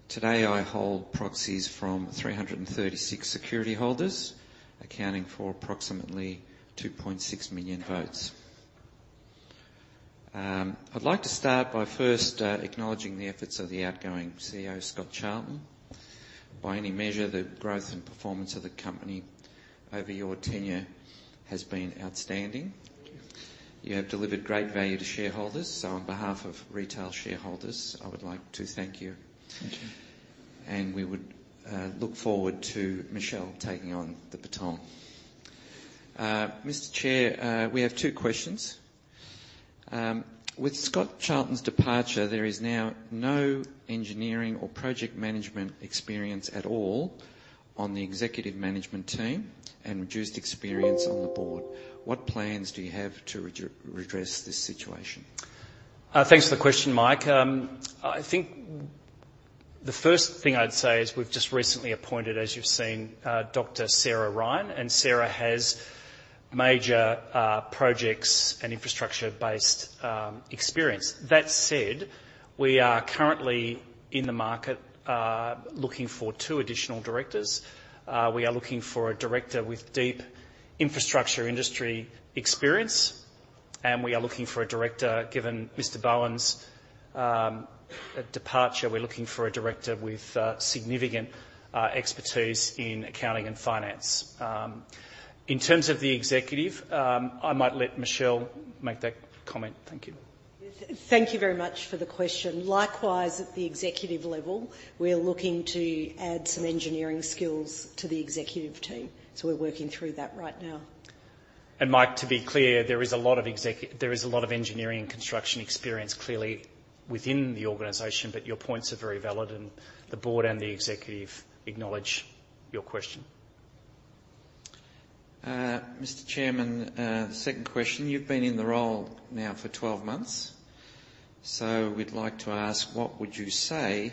Today, I hold proxies from 336 security holders, accounting for approximately 2.6 million votes. I'd like to start by first acknowledging the efforts of the outgoing CEO, Scott Charlton. By any measure, the growth and performance of the company over your tenure has been outstanding. Thank you. You have delivered great value to shareholders. So on behalf of retail shareholders, I would like to thank you. Thank you. We would look forward to Michelle taking on the baton. Mr. Chair, we have two questions. With Scott Charlton's departure, there is now no engineering or project management experience at all on the executive management team and reduced experience on the board. What plans do you have to redress this situation? Thanks for the question, Mike. I think the first thing I'd say is we've just recently appointed, as you've seen, Dr. Sarah Ryan, and Sarah has major projects and infrastructure-based experience. That said, we are currently in the market looking for two additional directors. We are looking for a director with deep infrastructure industry experience, and we are looking for a director, given Mr. Bowen's departure, we're looking for a director with significant expertise in accounting and finance. In terms of the executive, I might let Michelle make that comment. Thank you. Thank you very much for the question. Likewise, at the executive level, we are looking to add some engineering skills to the executive team, so we're working through that right now. Mike, to be clear, there is a lot of engineering and construction experience clearly within the organization, but your points are very valid, and the board and the executive acknowledge your question. Mr. Chairman, second question: you've been in the role now for 12 months, so we'd like to ask, what would you say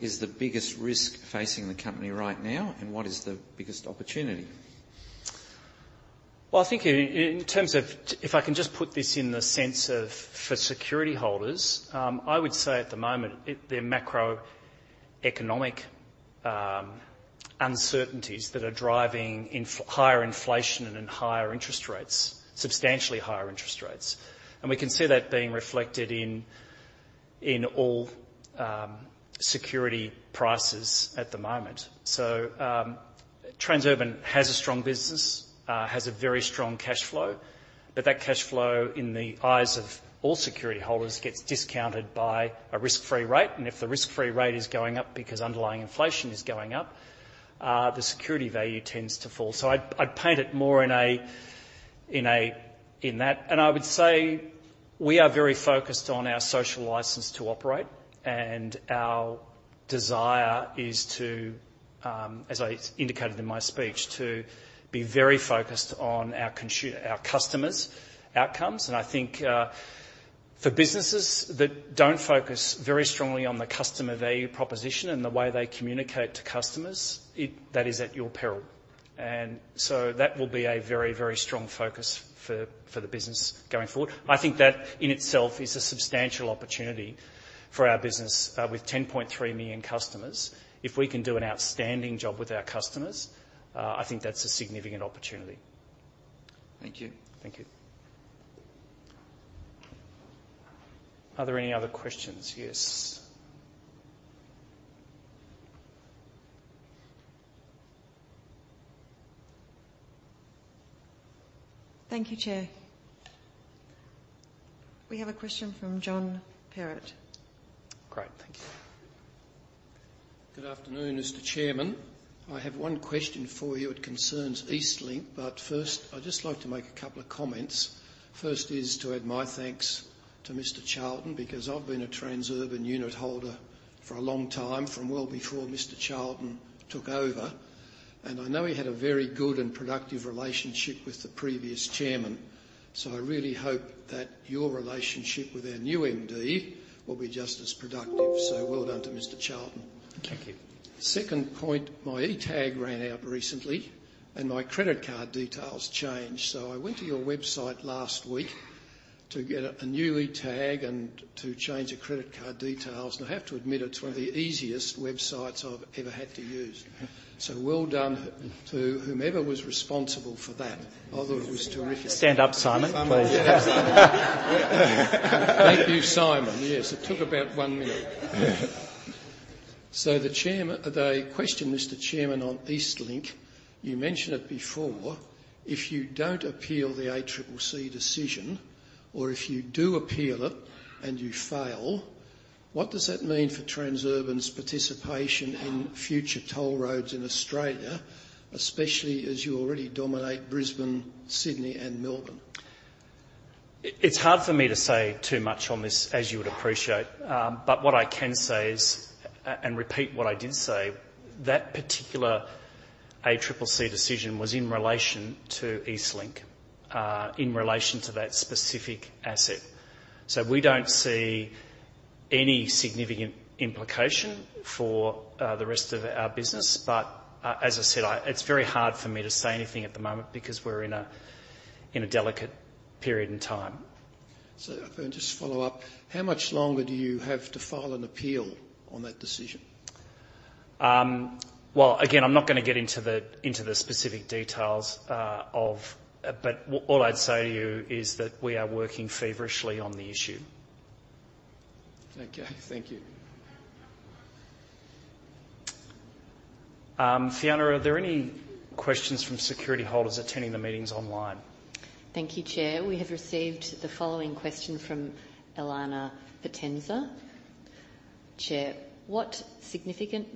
is the biggest risk facing the company right now, and what is the biggest opportunity? Well, I think in terms of... If I can just put this in the sense of for security holders, I would say at the moment, the macroeconomic uncertainties that are driving higher inflation and higher interest rates, substantially higher interest rates. And we can see that being reflected in all security prices at the moment. So, Transurban has a strong business, has a very strong cash flow, but that cash flow, in the eyes of all security holders, gets discounted by a risk-free rate. And if the risk-free rate is going up because underlying inflation is going up, the security value tends to fall. So I'd paint it more in a, in a, in that. I would say we are very focused on our social license to operate, and our desire is to, as I indicated in my speech, to be very focused on our customers' outcomes. I think, for businesses that don't focus very strongly on the customer value proposition and the way they communicate to customers, it, that is at your peril. And so that will be a very, very strong focus for, for the business going forward. I think that in itself is a substantial opportunity for our business. With 10.3 million customers, if we can do an outstanding job with our customers, I think that's a significant opportunity. Thank you. Thank you. Are there any other questions? Yes. Thank you, Chair. We have a question from John Perritt. Great, thank you. Good afternoon, Mr. Chairman. I have one question for you. It concerns EastLink, but first, I'd just like to make a couple of comments. First is to add my thanks to Mr. Charlton, because I've been a Transurban unit holder for a long time, from well before Mr. Charlton took over, and I know he had a very good and productive relationship with the previous chairman. So I really hope that your relationship with our new MD will be just as productive. So well done to Mr. Charlton. Thank you. Second point, my E-tag ran out recently and my credit card details changed. So I went to your website last week to get a new E-tag and to change the credit card details, and I have to admit, it's one of the easiest websites I've ever had to use. So well done to whomever was responsible for that. I thought it was terrific. Stand up, Simon, please. Thank you, Simon. Yes, it took about one minute. So the chairman, the question, Mr. Chairman, on EastLink, you mentioned it before, if you don't appeal the ACCC decision, or if you do appeal it and you fail, what does that mean for Transurban's participation in future toll roads in Australia, especially as you already dominate Brisbane, Sydney, and Melbourne? It's hard for me to say too much on this, as you would appreciate. But what I can say is, and repeat what I did say, that particular ACCC decision was in relation to EastLink, in relation to that specific asset. So we don't see any significant implication for, the rest of our business. But, as I said, It's very hard for me to say anything at the moment because we're in a, in a delicate period in time. So if I can just follow up, how much longer do you have to file an appeal on that decision? Well, again, I'm not gonna get into the specific details of... But all I'd say to you is that we are working feverishly on the issue. Okay, thank you. Fiona, are there any questions from security holders attending the meetings online? Thank you, Chair. We have received the following question from Alana Vatenza. "Chair, what significant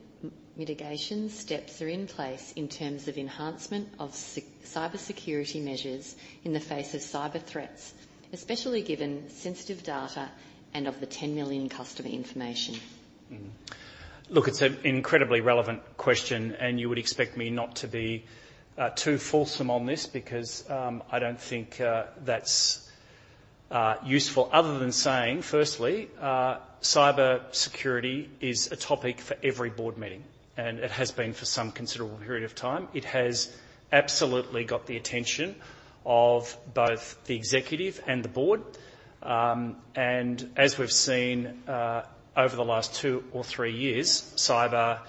mitigation steps are in place in terms of enhancement of cybersecurity measures in the face of cyber threats, especially given sensitive data and of the 10 million customer information? Look, it's an incredibly relevant question, and you would expect me not to be too fulsome on this because I don't think that's useful other than saying, firstly, cybersecurity is a topic for every board meeting, and it has been for some considerable period of time. It has absolutely got the attention of both the executive and the board. As we've seen over the last two or three years, cyber,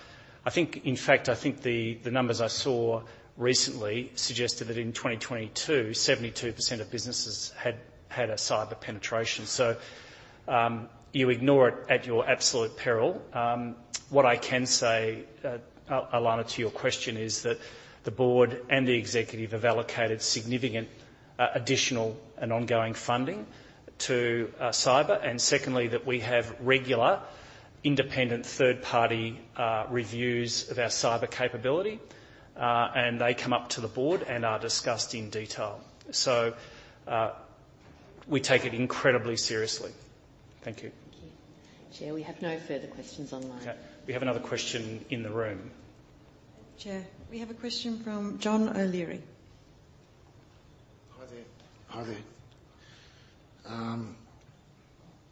I think, in fact, the numbers I saw recently suggested that in 2022, 72% of businesses had had a cyber penetration. So, you ignore it at your absolute peril. What I can say, Alana, to your question, is that the board and the executive have allocated significant additional and ongoing funding to cyber. Secondly, that we have regular independent third-party reviews of our cyber capability, and they come up to the board and are discussed in detail. So, we take it incredibly seriously. Thank you. Thank you. Chair, we have no further questions online. Okay, we have another question in the room. Chair, we have a question from John O'Leary. Hi there. Hi there.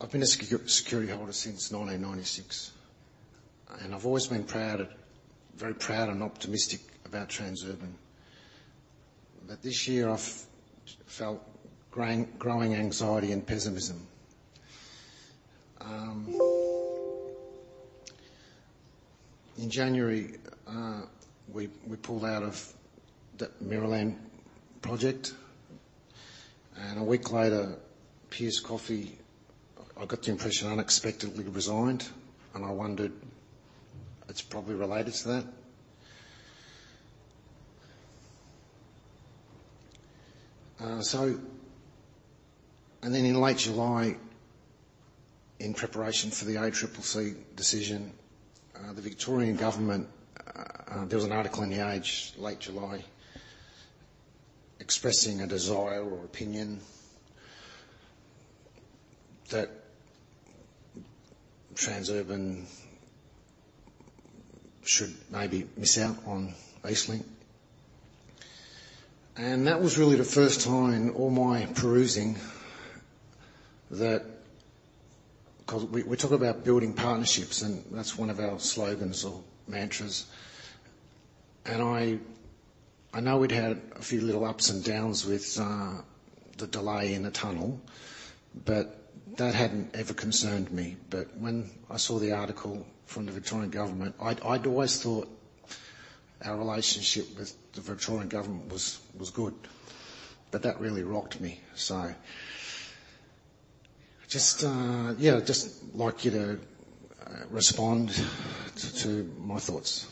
I've been a security holder since 1996, and I've always been proud of—very proud and optimistic about Transurban. But this year, I've felt growing anxiety and pessimism. In January, we pulled out of the Maryland project, and a week later, Pierce Coffee, I got the impression, unexpectedly resigned, and I wondered, it's probably related to that. And then in late July, in preparation for the ACCC decision, the Victorian government. There was an article in The Age, late July, expressing a desire or opinion that Transurban should maybe miss out on EastLink. And that was really the first time in all my perusing that—'cause we talk about building partnerships, and that's one of our slogans or mantras. And I know we'd had a few little ups and downs with the delay in the tunnel, but that hadn't ever concerned me. But when I saw the article from the Victorian Government, I'd always thought our relationship with the Victorian Government was good, but that really rocked me. So just yeah, I'd just like you to respond to my thoughts.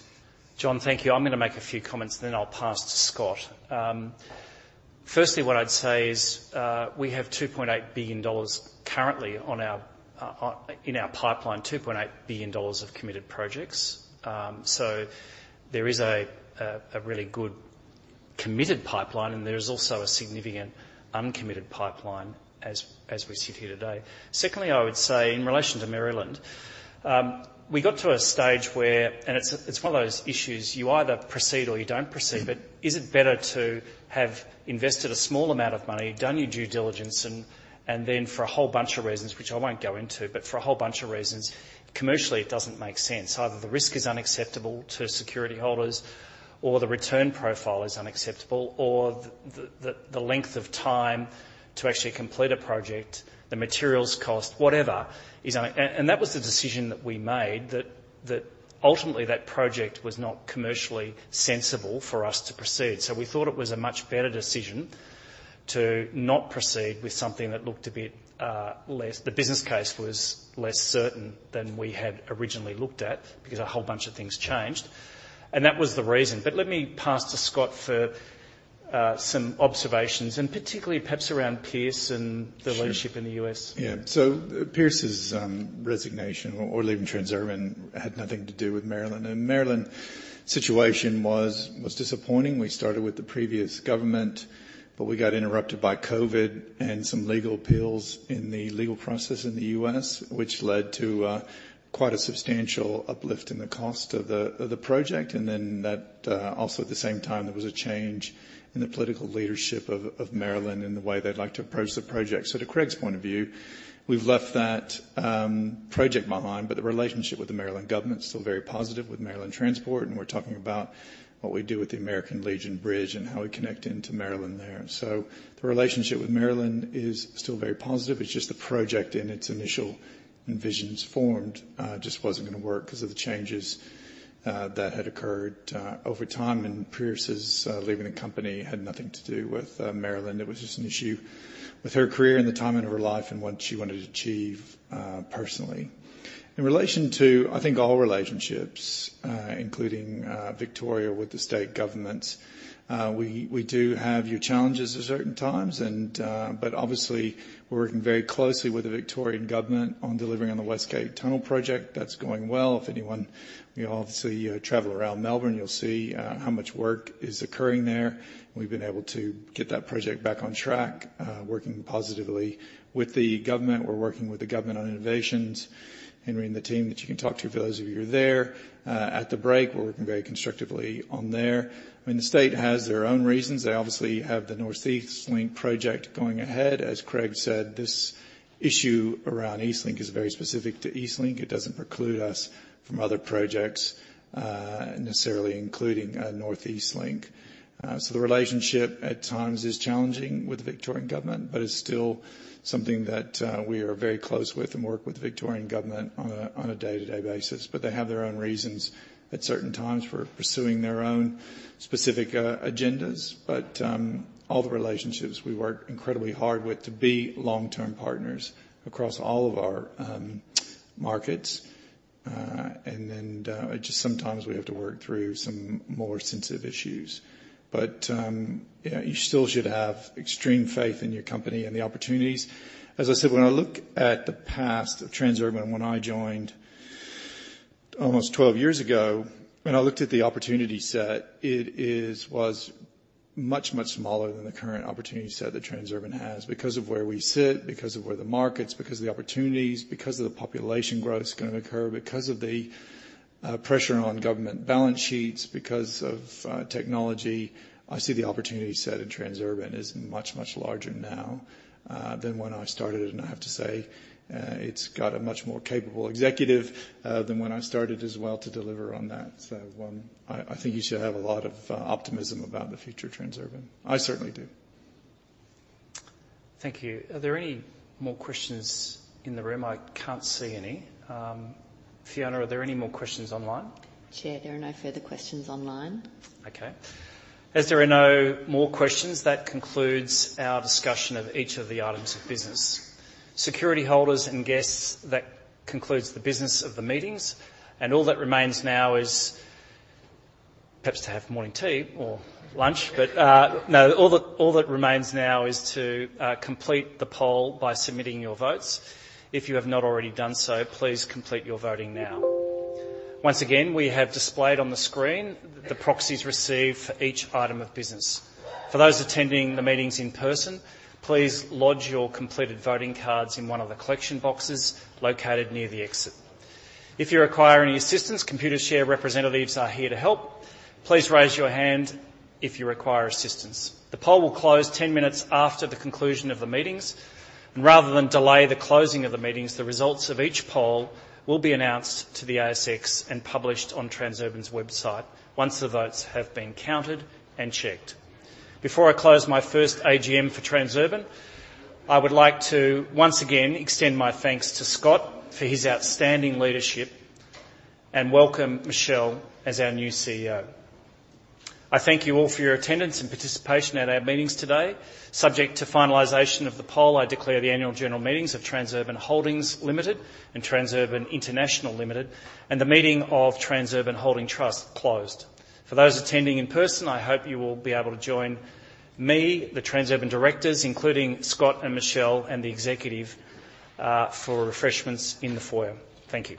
John, thank you. I'm gonna make a few comments, and then I'll pass to Scott. Firstly, what I'd say is, we have 2.8 billion dollars currently in our pipeline, 2.8 billion dollars of committed projects. So there is a really good committed pipeline, and there is also a significant uncommitted pipeline as we sit here today. Secondly, I would say in relation to Maryland, we got to a stage where... It's one of those issues, you either proceed or you don't proceed. But is it better to have invested a small amount of money, done your due diligence, and then for a whole bunch of reasons, which I won't go into, but for a whole bunch of reasons, commercially, it doesn't make sense. Either the risk is unacceptable to security holders, or the return profile is unacceptable, or the length of time to actually complete a project, the materials cost, whatever. That was the decision that we made, that ultimately that project was not commercially sensible for us to proceed. So we thought it was a much better decision to not proceed with something that looked a bit less certain than we had originally looked at, because a whole bunch of things changed, and that was the reason. But let me pass to Scott for some observations, and particularly perhaps around Pierce and- Sure.... the relationship in the U.S. Yeah. So Pierce's resignation, or leaving Transurban, had nothing to do with Maryland. And Maryland situation was disappointing. We started with the previous government, but we got interrupted by COVID and some legal appeals in the legal process in the U.S., which led to quite a substantial uplift in the cost of the project. And then that also, at the same time, there was a change in the political leadership of Maryland and the way they'd like to approach the project. So to Craig's point of view, we've left that project behind, but the relationship with the Maryland government is still very positive with Maryland Transport, and we're talking about what we do with the American Legion Bridge and how we connect into Maryland there. So the relationship with Maryland is still very positive. It's just the project in its initial envisioned form, just wasn't gonna work because of the changes that had occurred over time. Pierce's leaving the company had nothing to do with Maryland. It was just an issue with her career and the timing of her life and what she wanted to achieve personally. In relation to, I think, all relationships, including Victoria with the state governments, we do have our challenges at certain times and but obviously we're working very closely with the Victorian Government on delivering on the West Gate Tunnel project. That's going well. If anyone. You obviously travel around Melbourne, you'll see how much work is occurring there. We've been able to get that project back on track working positively with the government. We're working with the government on innovations. Henry and the team, that you can talk to, for those of you who are there, at the break, we're working very constructively on there. I mean, the state has their own reasons. They obviously have the Northeast Link project going ahead. As Craig said, this issue around EastLink is very specific to EastLink. It doesn't preclude us from other projects, necessarily including, Northeast Link. So the relationship at times is challenging with the Victorian government, but it's still something that, we are very close with and work with the Victorian government on a day-to-day basis. But they have their own reasons at certain times for pursuing their own specific, agendas. But, all the relationships we work incredibly hard with to be long-term partners across all of our markets. And then, just sometimes we have to work through some more sensitive issues. But, you know, you still should have extreme faith in your company and the opportunities. As I said, when I look at the past of Transurban when I joined almost 12 years ago, when I looked at the opportunity set, it was much, much smaller than the current opportunity set that Transurban has. Because of where we sit, because of where the markets, because of the opportunities, because of the population growth that's going to occur, because of the pressure on government balance sheets, because of technology. I see the opportunity set in Transurban is much, much larger now than when I started, and I have to say, it's got a much more capable executive than when I started as well to deliver on that. I think you should have a lot of optimism about the future of Transurban. I certainly do. Thank you. Are there any more questions in the room? I can't see any. Fiona, are there any more questions online? Chair, there are no further questions online. Okay. As there are no more questions, that concludes our discussion of each of the items of business. Security holders and guests, that concludes the business of the meetings, and all that remains now is perhaps to have morning tea or lunch. But, no, all that, all that remains now is to complete the poll by submitting your votes. If you have not already done so, please complete your voting now. Once again, we have displayed on the screen the proxies received for each item of business. For those attending the meetings in person, please lodge your completed voting cards in one of the collection boxes located near the exit. If you require any assistance, Computershare representatives are here to help. Please raise your hand if you require assistance. The poll will close 10 minutes after the conclusion of the meetings. Rather than delay the closing of the meetings, the results of each poll will be announced to the ASX and published on Transurban's website once the votes have been counted and checked. Before I close my first AGM for Transurban, I would like to once again extend my thanks to Scott for his outstanding leadership, and welcome Michelle as our new CEO. I thank you all for your attendance and participation at our meetings today. Subject to finalization of the poll, I declare the annual general meetings of Transurban Holdings Limited and Transurban International Limited, and the meeting of Transurban Holding Trust closed. For those attending in person, I hope you will be able to join me, the Transurban directors, including Scott and Michelle and the executive, for refreshments in the foyer. Thank you.